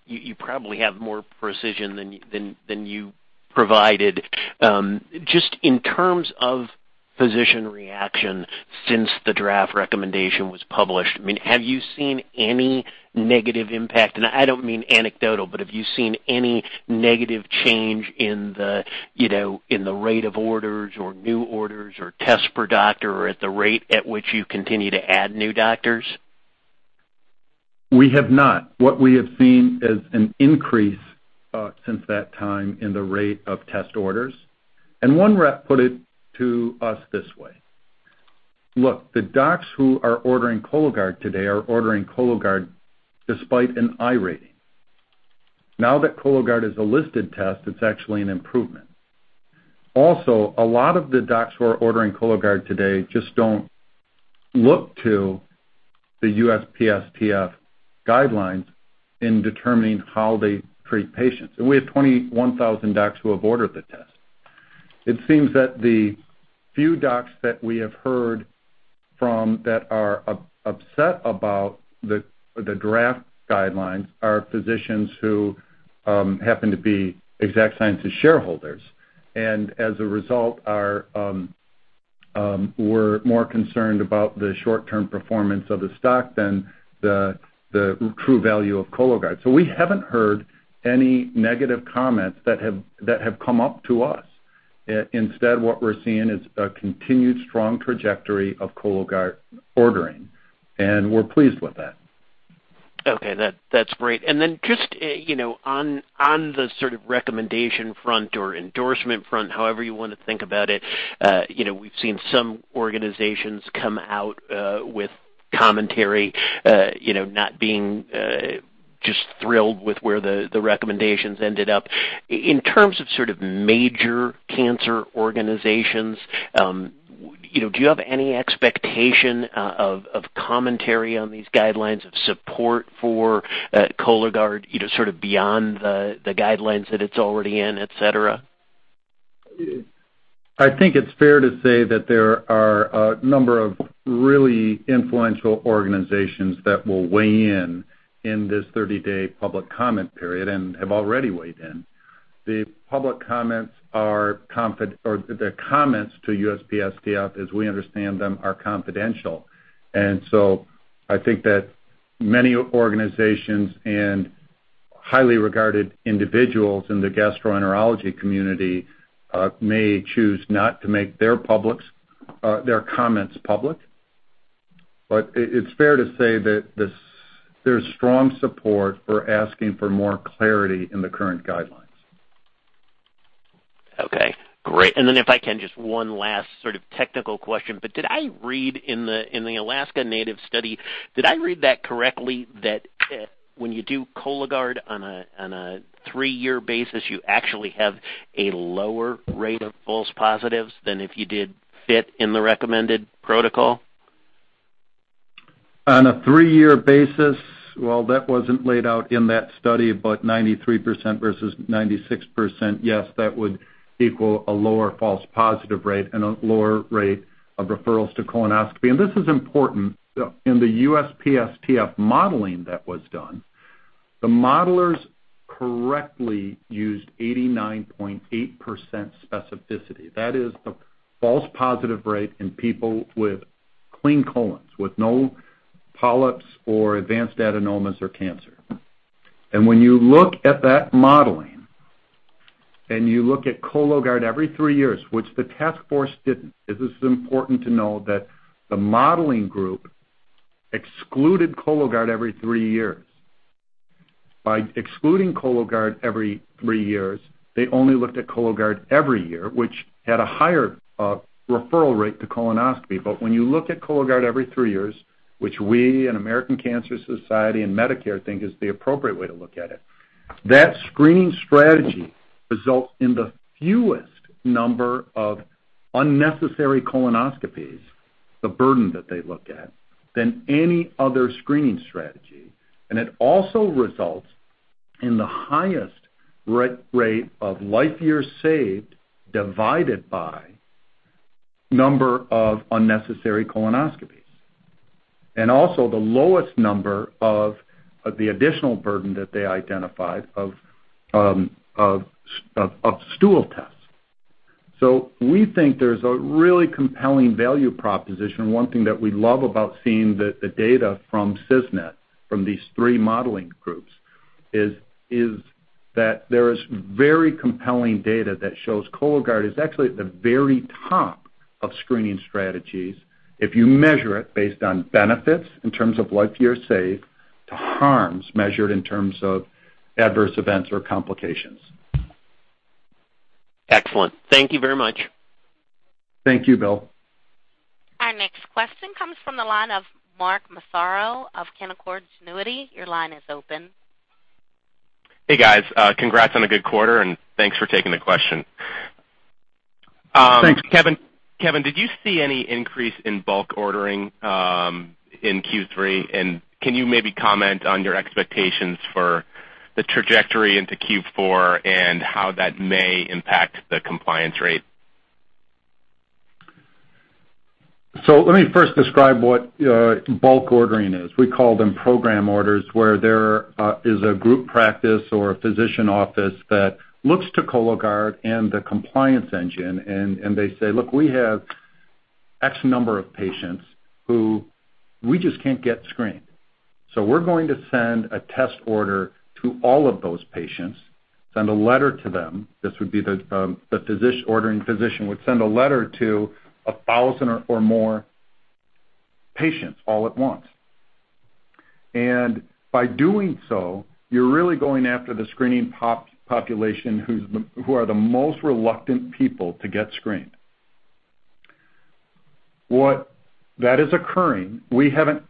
you probably have more precision than you provided. Just in terms of physician reaction since the draft recommendation was published, I mean, have you seen any negative impact? And I don't mean anecdotal, but have you seen any negative change in the rate of orders or new orders or tests per doctor or at the rate at which you continue to add new doctors? We have not. What we have seen is an increase since that time in the rate of test orders. And one rep put it to us this way: "Look, the docs who are ordering Cologuard today are ordering Cologuard despite an I rating. Now that Cologuard is a listed test, it's actually an improvement." Also, a lot of the docs who are ordering Cologuard today just don't look to the USPSTF guidelines in determining how they treat patients. And we have 21,000 docs who have ordered the test. It seems that the few docs that we have heard from that are upset about the draft guidelines are physicians who happen to be Exact Sciences shareholders. And as a result, we're more concerned about the short-term performance of the stock than the true value of Cologuard. So we haven't heard any negative comments that have come up to us. Instead, what we're seeing is a continued strong trajectory of Cologuard ordering, and we're pleased with that. Okay. That's great. And then just on the sort of recommendation front or endorsement front, however you want to think about it, we've seen some organizations come out with commentary not being just thrilled with where the recommendations ended up. In terms of sort of major cancer organizations, do you have any expectation of commentary on these guidelines, of support for Cologuard sort of beyond the guidelines that it's already in, etc.? I think it's fair to say that there are a number of really influential organizations that will weigh in in this 30-day public comment period and have already weighed in. The public comments are—or the comments to USPSTF, as we understand them, are confidential. And so I think that many organizations and highly regarded individuals in the gastroenterology community may choose not to make their comments public. But it's fair to say that there's strong support for asking for more clarity in the current guidelines. Okay. Great. And then if I can, just one last sort of technical question. But did I read in the Alaska Native study, did I read that correctly that when you do Cologuard on a three-year basis, you actually have a lower rate of false positives than if you did fit in the recommended protocol? On a three-year basis, well, that wasn't laid out in that study, but 93% versus 96%, yes, that would equal a lower false positive rate and a lower rate of referrals to colonoscopy. And this is important. In the USPSTF modeling that was done, the modelers correctly used 89.8% specificity. That is the false positive rate in people with clean colons, with no polyps or advanced adenomas or cancer. And when you look at that modeling and you look at Cologuard every three years, which the task force didn't, this is important to know that the modeling group excluded Cologuard every three years. By excluding Cologuard every three years, they only looked at Cologuard every year, which had a higher referral rate to colonoscopy. But when you look at Cologuard every three years, which we and American Cancer Society and Medicare think is the appropriate way to look at it, that screening strategy results in the fewest number of unnecessary colonoscopies, the burden that they look at, than any other screening strategy. And it also results in the highest rate of life years saved divided by number of unnecessary colonoscopies, and also the lowest number of the additional burden that they identified of stool tests. So we think there's a really compelling value proposition. One thing that we love about seeing the data from CISNET, from these three modeling groups, is that there is very compelling data that shows Cologuard is actually at the very top of screening strategies if you measure it based on benefits in terms of life years saved to harms measured in terms of adverse events or complications. Excellent. Thank you very much. Thank you, Bill. Our next question comes from the line of Mark Massaro of Canaccord Genuity. Your line is open. Hey, guys. Congrats on a good quarter, and thanks for taking the question. Thanks. Kevin, did you see any increase in bulk ordering in Q3? And can you maybe comment on your expectations for the trajectory into Q4 and how that may impact the compliance rate? So let me 1st describe what bulk ordering is. We call them program orders, where there is a group practice or a physician office that looks to Cologuard and the compliance engine, and they say, "Look, we have X number of patients who we just can't get screened. So we're going to send a test order to all of those patients, send a letter to them." This would be the ordering physician would send a letter to 1,000 or more patients all at once. And by doing so, you're really going after the screening population who are the most reluctant people to get screened. That is occurring. We haven't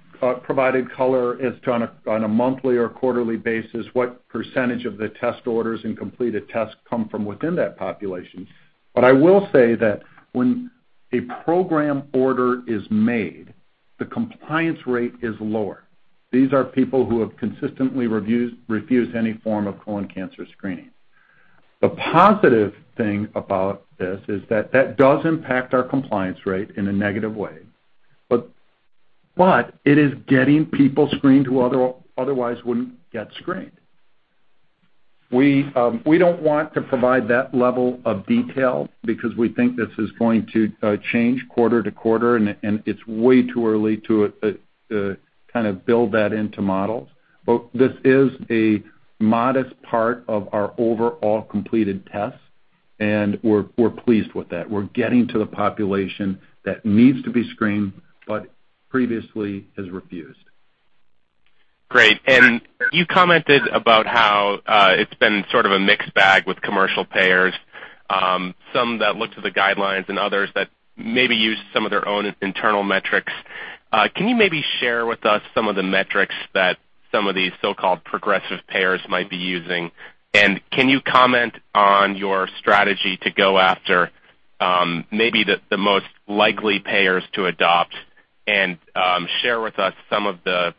provided color as to on a monthly or quarterly basis what percentage of the test orders and completed tests come from within that population. But I will say that when a program order is made, the compliance rate is lower. These are people who have consistently refused any form of colon cancer screening. The positive thing about this is that that does impact our compliance rate in a negative way, but it is getting people screened who otherwise wouldn't get screened. We don't want to provide that level of detail because we think this is going to change quarter to quarter, and it's way too early to kind of build that into models. But this is a modest part of our overall completed tests, and we're pleased with that. We're getting to the population that needs to be screened but previously has refused. Great. And you commented about how it's been sort of a mixed bag with commercial payers, some that look to the guidelines and others that maybe use some of their own internal metrics. Can you maybe share with us some of the metrics that some of these so-called progressive payers might be using? And can you comment on your strategy to go after maybe the most likely payers to adopt and share with us some of the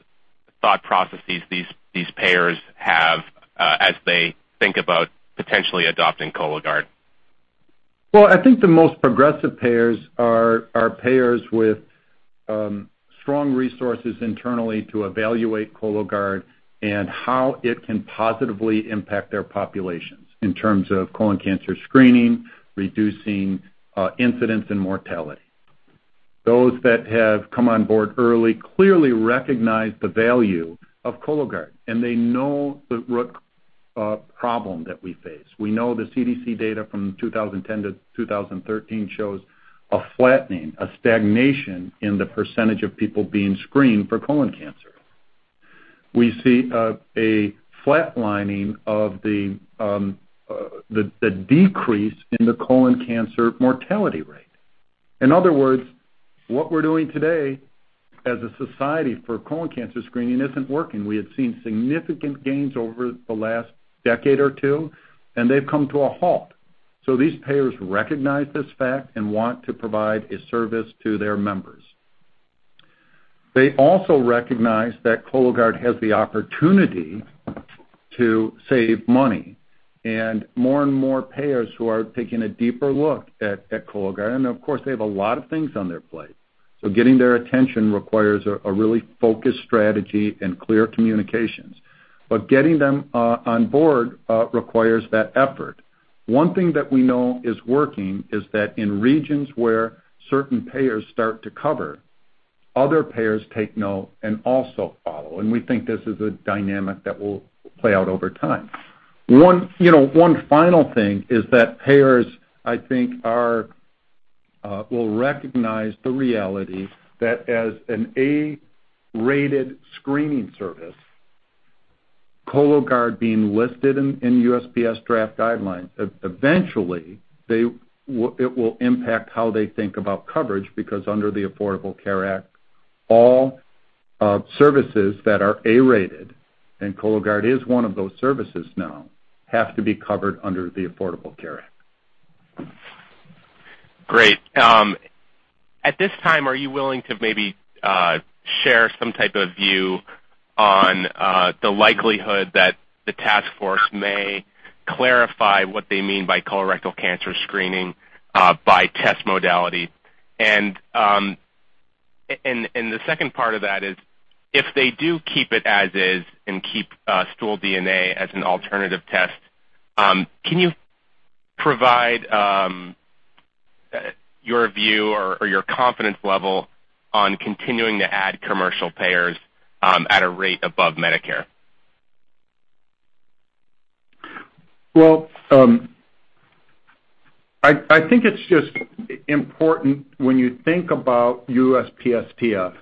thought processes these payers have as they think about potentially adopting Cologuard? Well, I think the most progressive payers are payers with strong resources internally to evaluate Cologuard and how it can positively impact their populations in terms of colon cancer screening, reducing incidence and mortality. Those that have come on board early clearly recognize the value of Cologuard, and they know the root problem that we face. We know the CDC data from 2010 to 2013 shows a flattening, a stagnation in the percentage of people being screened for colon cancer. We see a flatlining of the decrease in the colon cancer mortality rate. In other words, what we're doing today as a society for colon cancer screening isn't working. We had seen significant gains over the last decade or two, and they've come to a halt. So these payers recognize this fact and want to provide a service to their members. They also recognize that Cologuard has the opportunity to save money, and more and more payers who are taking a deeper look at Cologuard—and of course, they have a lot of things on their plate—so getting their attention requires a really focused strategy and clear communications. But getting them on board requires that effort. One thing that we know is working is that in regions where certain payers start to cover, other payers take note and also follow. And we think this is a dynamic that will play out over time. One final thing is that payers, I think, will recognize the reality that as an A-rated screening service, Cologuard being listed in USPS draft guidelines, eventually it will impact how they think about coverage because under the Affordable Care Act, all services that are A-rated—and Cologuard is one of those services now—have to be covered under the Affordable Care Act. Great. At this time, are you willing to maybe share some type of view on the likelihood that the task force may clarify what they mean by colorectal cancer screening by test modality? And the 2nd part of that is if they do keep it as is and keep stool DNA as an alternative test, can you provide your view or your confidence level on continuing to add commercial payers at a rate above Medicare? Well, I think it's just important when you think about USPSTF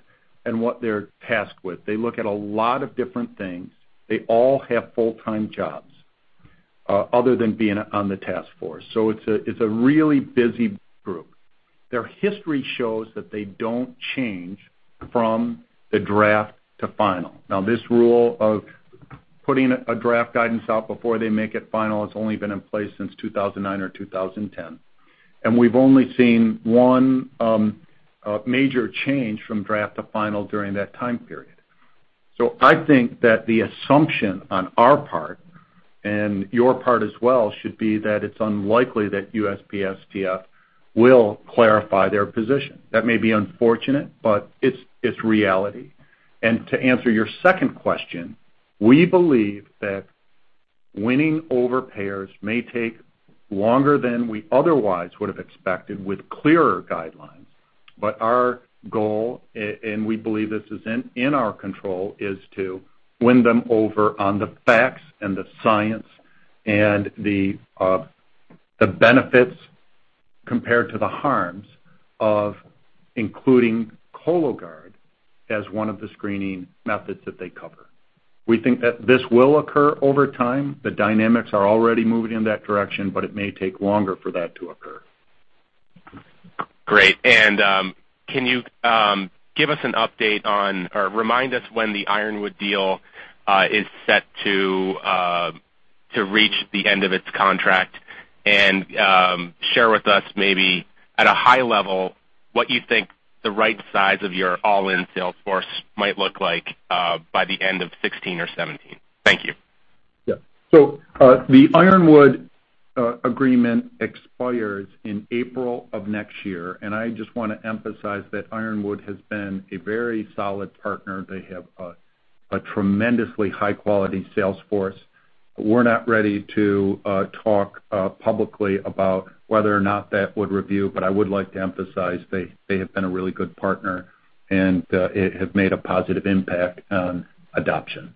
and what they're tasked with. They look at a lot of different things. They all have full-time jobs other than being on the task force. So it's a really busy group. Their history shows that they don't change from the draft to final. Now, this rule of putting a draft guidance out before they make it final has only been in place since 2009 or 2010. And we've only seen one major change from draft to final during that time period. So I think that the assumption on our part and your part as well should be that it's unlikely that USPSTF will clarify their position. That may be unfortunate, but it's reality. And to answer your 2nd question, we believe that winning over payers may take longer than we otherwise would have expected with clearer guidelines. But our goal—and we believe this is in our control—is to win them over on the facts and the science and the benefits compared to the harms of including Cologuard as one of the screening methods that they cover. We think that this will occur over time. The dynamics are already moving in that direction, but it may take longer for that to occur. Great. And can you give us an update on or remind us when the Ironwood deal is set to reach the end of its contract and share with us maybe at a high level what you think the right size of your all-in sales force might look like by the end of 2016 or 2017? Thank you. Yeah. So the Ironwood agreement expires in April of next year. And I just want to emphasize that Ironwood has been a very solid partner. They have a tremendously high-quality sales force. We're not ready to talk publicly about whether or not that would review, but I would like to emphasize they have been a really good partner and have made a positive impact on adoption.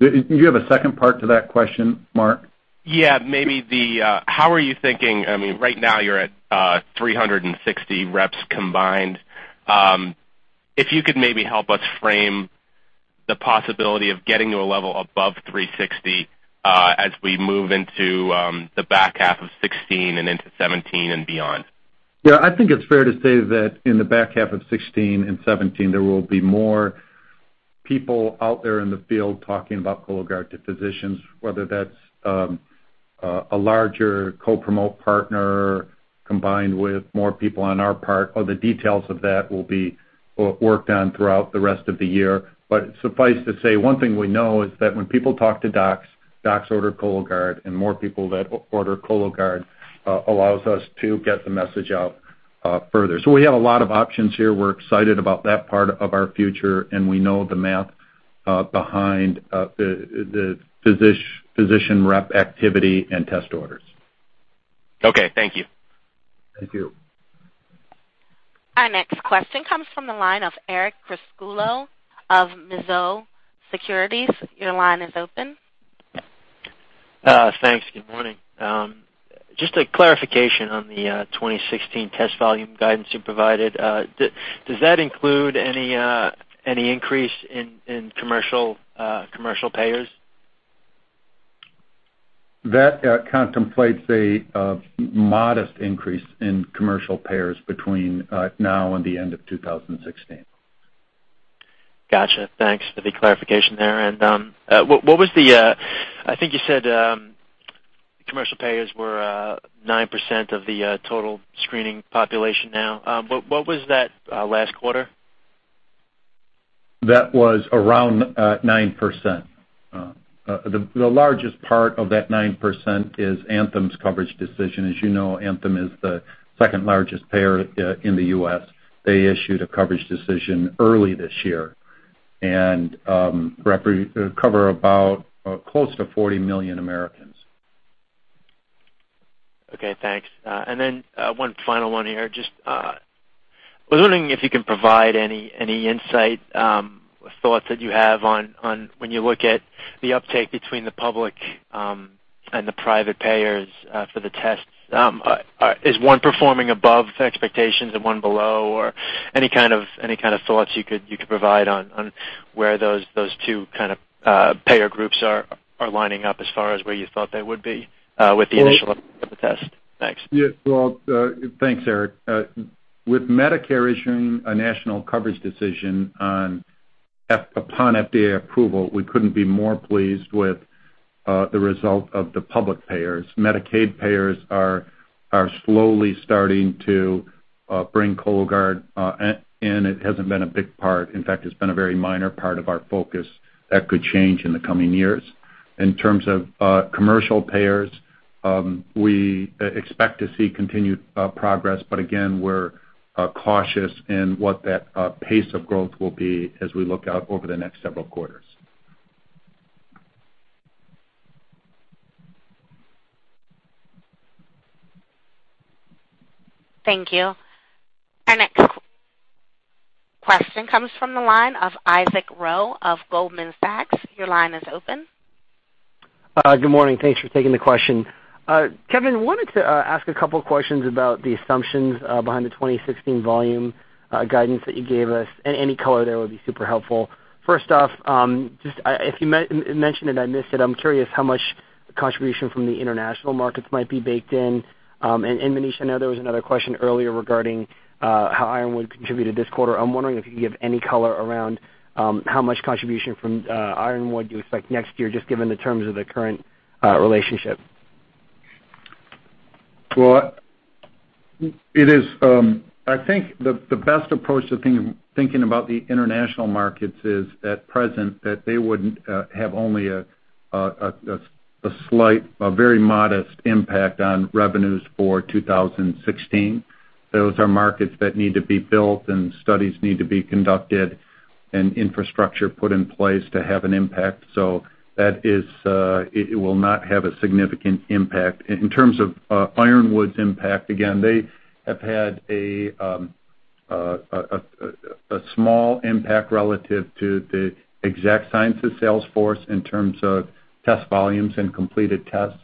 Do you have a 2nd part to that question, Mark? Yeah. Maybe the how are you thinking? I mean, right now you're at 360 reps combined. If you could maybe help us frame the possibility of getting to a level above 360 as we move into the back half of 2016 and into 2017 and beyond. Yeah. I think it's fair to say that in the back half of 2016 and 2017, there will be more people out there in the field talking about Cologuard to physicians, whether that's a larger CoPromote partner combined with more people on our part. The details of that will be worked on throughout the rest of the year. But suffice to say, one thing we know is that when people talk to docs, docs order Cologuard, and more people that order Cologuard allows us to get the message out further. So we have a lot of options here. We're excited about that part of our future, and we know the math behind the physician rep activity and test orders. Okay. Thank you. Thank you. Our next question comes from the line of Eric Cresculo of Mizuho Securities. Your line is open. Thanks. Good morning. Just a clarification on the 2016 test volume guidance you provided. Does that include any increase in commercial payers? That contemplates a modest increase in commercial payers between now and the end of 2016. Gotcha. Thanks for the clarification there. And what was the I think you said commercial payers were 9% of the total screening population now. What was that last quarter? That was around 9%. The largest part of that 9% is Anthem's coverage decision. As you know, Anthem is the 2nd largest payer in the U.S. They issued a coverage decision early this year and cover about close to 40 million Americans. Okay. Thanks. And then one final one here. Just was wondering if you can provide any insight, thoughts that you have on when you look at the uptake between the public and the private payers for the tests. Is one performing above expectations and one below? Or any kind of thoughts you could provide on where those two kind of payer groups are lining up as far as where you thought they would be with the initial uptake of the test? Thanks. Yeah. Well, thanks, Eric. With Medicare issuing a national coverage decision upon FDA approval, we couldn't be more pleased with the result of the public payers. Medicaid payers are slowly starting to bring Cologuard in. It hasn't been a big part. In fact, it's been a very minor part of our focus that could change in the coming years. In terms of commercial payers, we expect to see continued progress. But again, we're cautious in what that pace of growth will be as we look out over the next several quarters. Thank you. Our next question comes from the line of Isaac Rowe of Goldman Sachs.Your line is open. Good morning. Thanks for taking the question. Kevin, wanted to ask a couple of questions about the assumptions behind the 2016 volume guidance that you gave us. And any color there would be super helpful. 1st off, just if you mentioned it, I missed it. I'm curious how much contribution from the international markets might be baked in. And Manish, I know there was another question earlier regarding how Ironwood contributed this quarter. I'm wondering if you could give any color around how much contribution from Ironwood you expect next year, just given the terms of the current relationship. Well, I think the best approach to thinking about the international markets is at present that they would have only a very modest impact on revenues for 2016. Those are markets that need to be built and studies need to be conducted and infrastructure put in place to have an impact. So it will not have a significant impact. In terms of Ironwood's impact, again, they have had a small impact relative to the exact science of sales force in terms of test volumes and completed tests.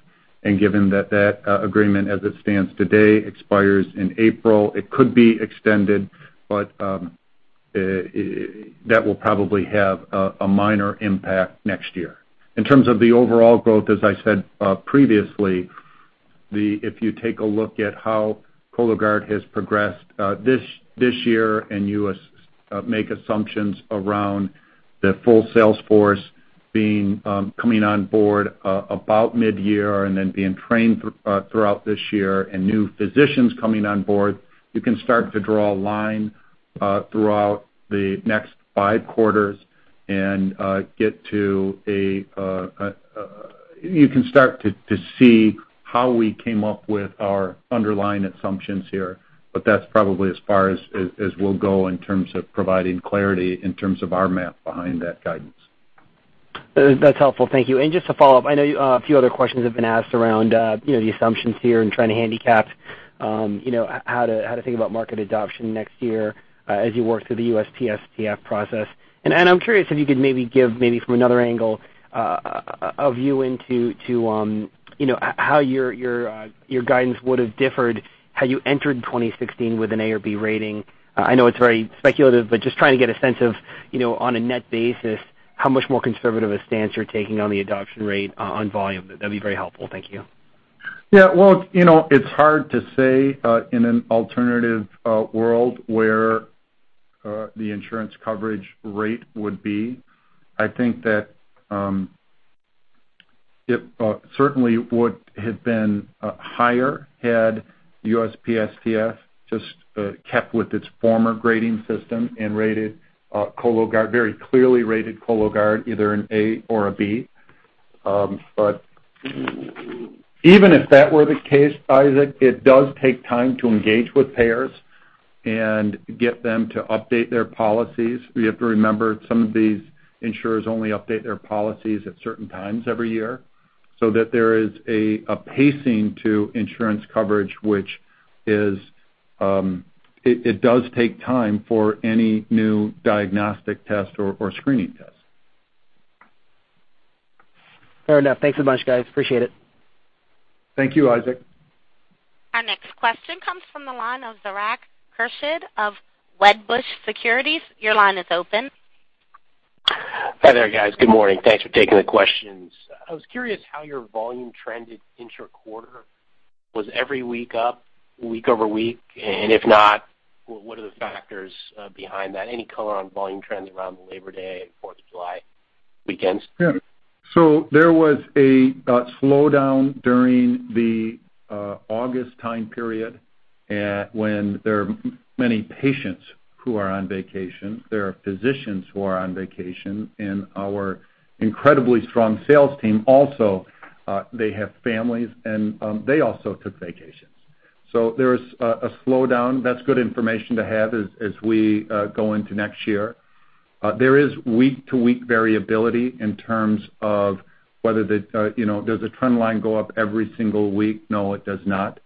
And given that that agreement, as it stands today, expires in April, it could be extended, but that will probably have a minor impact next year. In terms of the overall growth, as I said previously, if you take a look at how Cologuard has progressed this year and you make assumptions around the full sales force coming on board about mid-year and then being trained throughout this year and new physicians coming on board, you can start to draw a line throughout the next five quarters and get to a you can start to see how we came up with our underlying assumptions here. But that's probably as far as we'll go in terms of providing clarity in terms of our math behind that guidance. That's helpful. Thank you. And just to follow up, I know a few other questions have been asked around the assumptions here and trying to handicap how to think about market adoption next year as you work through the USPSTF process. And I'm curious if you could maybe give maybe from another angle a view into how your guidance would have differed had you entered 2016 with an A or B rating. I know it's very speculative, but just trying to get a sense of, on a net basis, how much more conservative a stance you're taking on the adoption rate on volume. That'd be very helpful. Thank you. Yeah. Well, it's hard to say in an alternative world where the insurance coverage rate would be. I think that it certainly would have been higher had USPSTF just kept with its former grading system and rated Cologuard very clearly rated Cologuard either an A or a B. But even if that were the case, Isaac, it does take time to engage with payers and get them to update their policies. You have to remember some of these insurers only update their policies at certain times every year. So that there is a pacing to insurance coverage, which it does take time for any new diagnostic test or screening test. Fair enough. Thanks a bunch, guys. Appreciate it. Thank you, Isaac. Our next question comes from the line of Zurak Crescid of Wedbush Securities. Your line is open. Hi there, guys. Good morning. Thanks for taking the questions. I was curious how your volume trended intra-quarter. Was every week up, week over week? And if not, what are the factors behind that? Any color on volume trends around the Labor Day and 4th of July weekends? Yeah. So there was a slowdown during the August time period when there are many patients who are on vacation. There are physicians who are on vacation. And our incredibly strong sales team also, they have families, and they also took vacations. So there is a slowdown. That's good information to have as we go into next year. There is week-to-week variability in terms of whether there's a trend line go up every single week. No, it does not.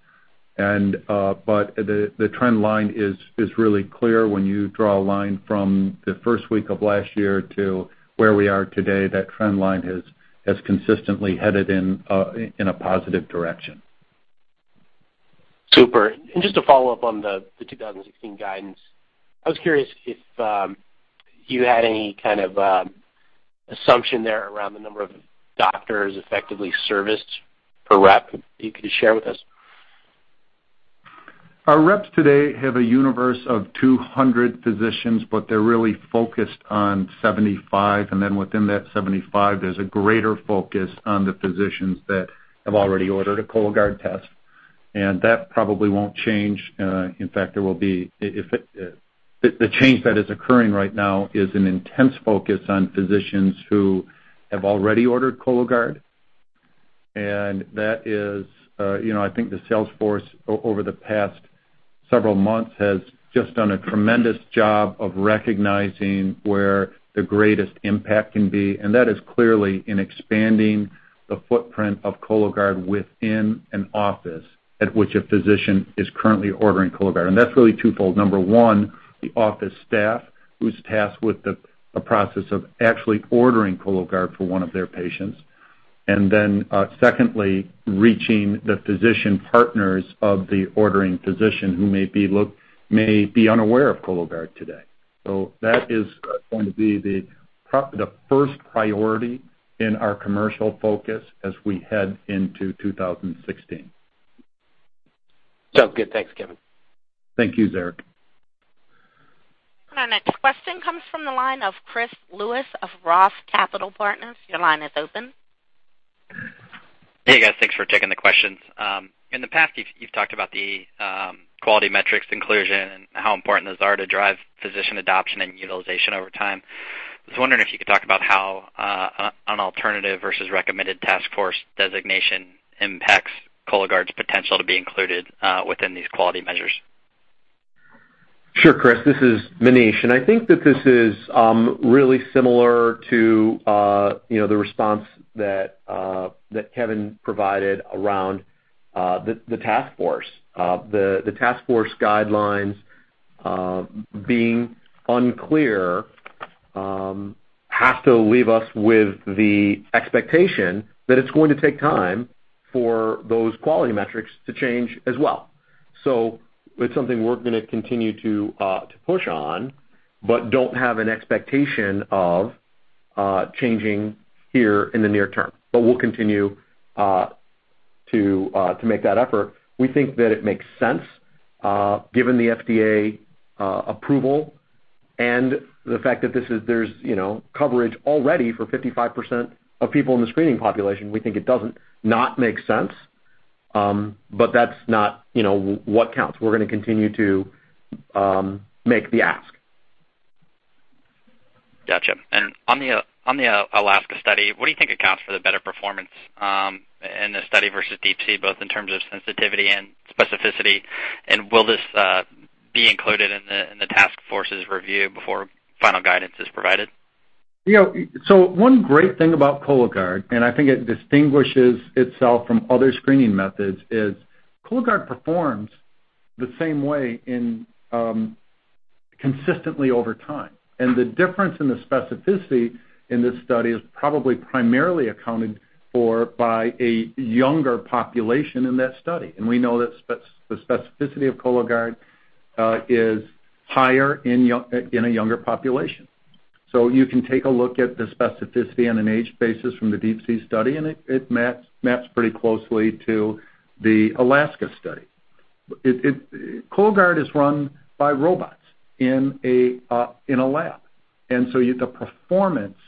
But the trend line is really clear when you draw a line from the 1st week of last year to where we are today. That trend line has consistently headed in a positive direction. Super. And just to follow up on the 2016 guidance, I was curious if you had any kind of assumption there around the number of doctors effectively serviced per rep that you could share with us. Our reps today have a universe of 200 physicians, but they're really focused on 75. And then within that 75, there's a greater focus on the physicians that have already ordered a Cologuard test. And that probably won't change. In fact, there will be the change that is occurring right now is an intense focus on physicians who have already ordered Cologuard. And that is, I think, the sales force over the past several months has just done a tremendous job of recognizing where the greatest impact can be. And that is clearly in expanding the footprint of Cologuard within an office at which a physician is currently ordering Cologuard. And that's really twofold. Number one, the office staff who's tasked with the process of actually ordering Cologuard for one of their patients. And then secondly, reaching the physician partners of the ordering physician who may be unaware of Cologuard today. So that is going to be the 1st priority in our commercial focus as we head into 2016. Sounds good. Thanks, Kevin. Thank you, Zurak. Our next question comes from the line of Chris Lewis of Ross Capital Partners. Your line is open. Hey, guys. Thanks for taking the questions. In the past, you've talked about the quality metrics inclusion and how important those are to drive physician adoption and utilization over time. I was wondering if you could talk about how an alternative versus recommended task force designation impacts Cologuard's potential to be included within these quality measures. Sure, Chris. This is Maneesh. And I think that this is really similar to the response that Kevin provided around the task force. The task force guidelines being unclear has to leave us with the expectation that it's going to take time for those quality metrics to change as well. So it's something we're going to continue to push on, but don't have an expectation of changing here in the near term. But we'll continue to make that effort. We think that it makes sense given the FDA approval and the fact that there's coverage already for 55% of people in the screening population. We think it doesn't not make sense, but that's not what counts. We're going to continue to make the ask. Gotcha. And on the Alaska study, what do you think accounts for the better performance in the study versus DeepSea, both in terms of sensitivity and specificity? And will this be included in the task force's review before final guidance is provided? So one great thing about Cologuard, and I think it distinguishes itself from other screening methods, is Cologuard performs the same way consistently over time. And the difference in the specificity in this study is probably primarily accounted for by a younger population in that study. And we know that the specificity of Cologuard is higher in a younger population. So you can take a look at the specificity on an age basis from the DeepSea study, and it maps pretty closely to the Alaska study. Cologuard is run by robots in a lab. And so the performance,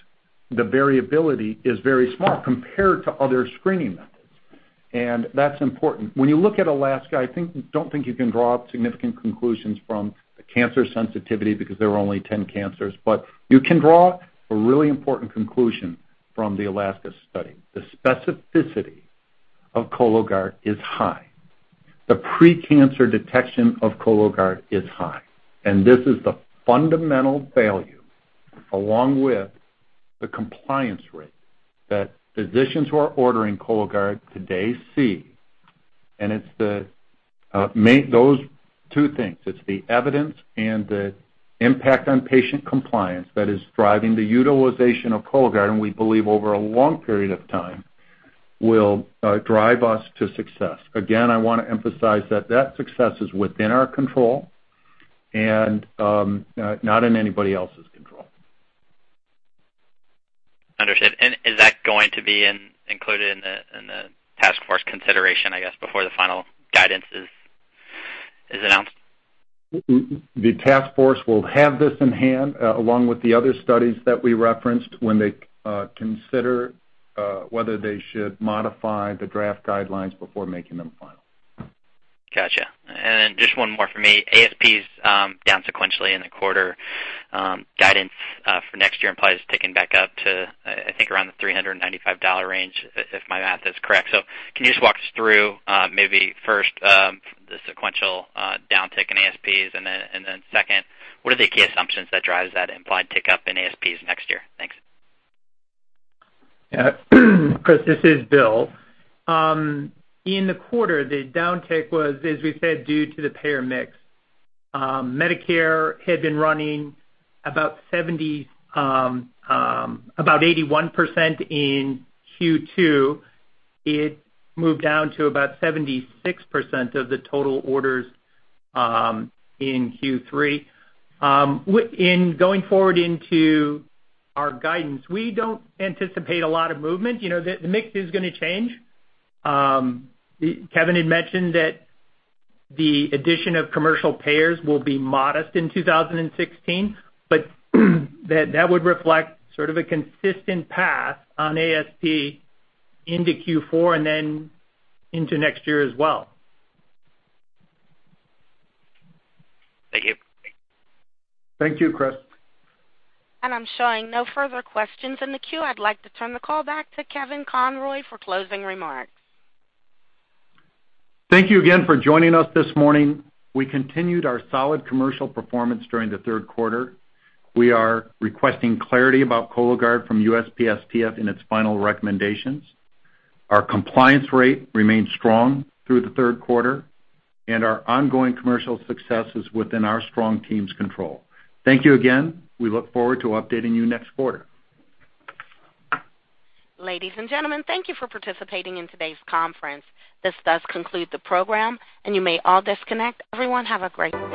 the variability is very small compared to other screening methods. And that's important. When you look at Alaska, I don't think you can draw up significant conclusions from the cancer sensitivity because there are only 10 cancers. But you can draw a really important conclusion from the Alaska study. The specificity of Cologuard is high. The precancer detection of Cologuard is high. And this is the fundamental value along with the compliance rate that physicians who are ordering Cologuard today see. And it's those two things. It's the evidence and the impact on patient compliance that is driving the utilization of Cologuard, and we believe over a long period of time will drive us to success. Again, I want to emphasize that that success is within our control and not in anybody else's control. Understood. And is that going to be included in the task force consideration, I guess, before the final guidance is announced? The task force will have this in hand along with the other studies that we referenced when they consider whether they should modify the draft guidelines before making them final. Gotcha. And then just one more for me. ASPs down sequentially in the quarter. Guidance for next year implies ticking back up to, I think, around the $395 range if my math is correct. So can you just walk us through maybe 1st the sequential downtick in ASPs? And then 2nd, what are the key assumptions that drive that implied tick up in ASPs next year? Thanks. Chris, this is Bill. In the quarter, the downtick was, as we said, due to the payer mix. Medicare had been running about 81% in Q2. It moved down to about 76% of the total orders in Q3. In going forward into our guidance, we don't anticipate a lot of movement. The mix is going to change. Kevin had mentioned that the addition of commercial payers will be modest in 2016, but that would reflect sort of a consistent path on ASP into Q4 and then into next year as well. Thank you. Thank you, Chris. And I'm showing no further questions in the queue. I'd like to turn the call back to Kevin Conroy for closing remarks. Thank you again for joining us this morning. We continued our solid commercial performance during the 3rd quarter. We are requesting clarity about Cologuard from USPSTF in its final recommendations. Our compliance rate remained strong through the 3rd quarter, and our ongoing commercial success is within our strong team's control. Thank you again. We look forward to updating you next quarter. Ladies and gentlemen, thank you for participating in today's conference. This does conclude the program, and you may all disconnect. Everyone, have a great day.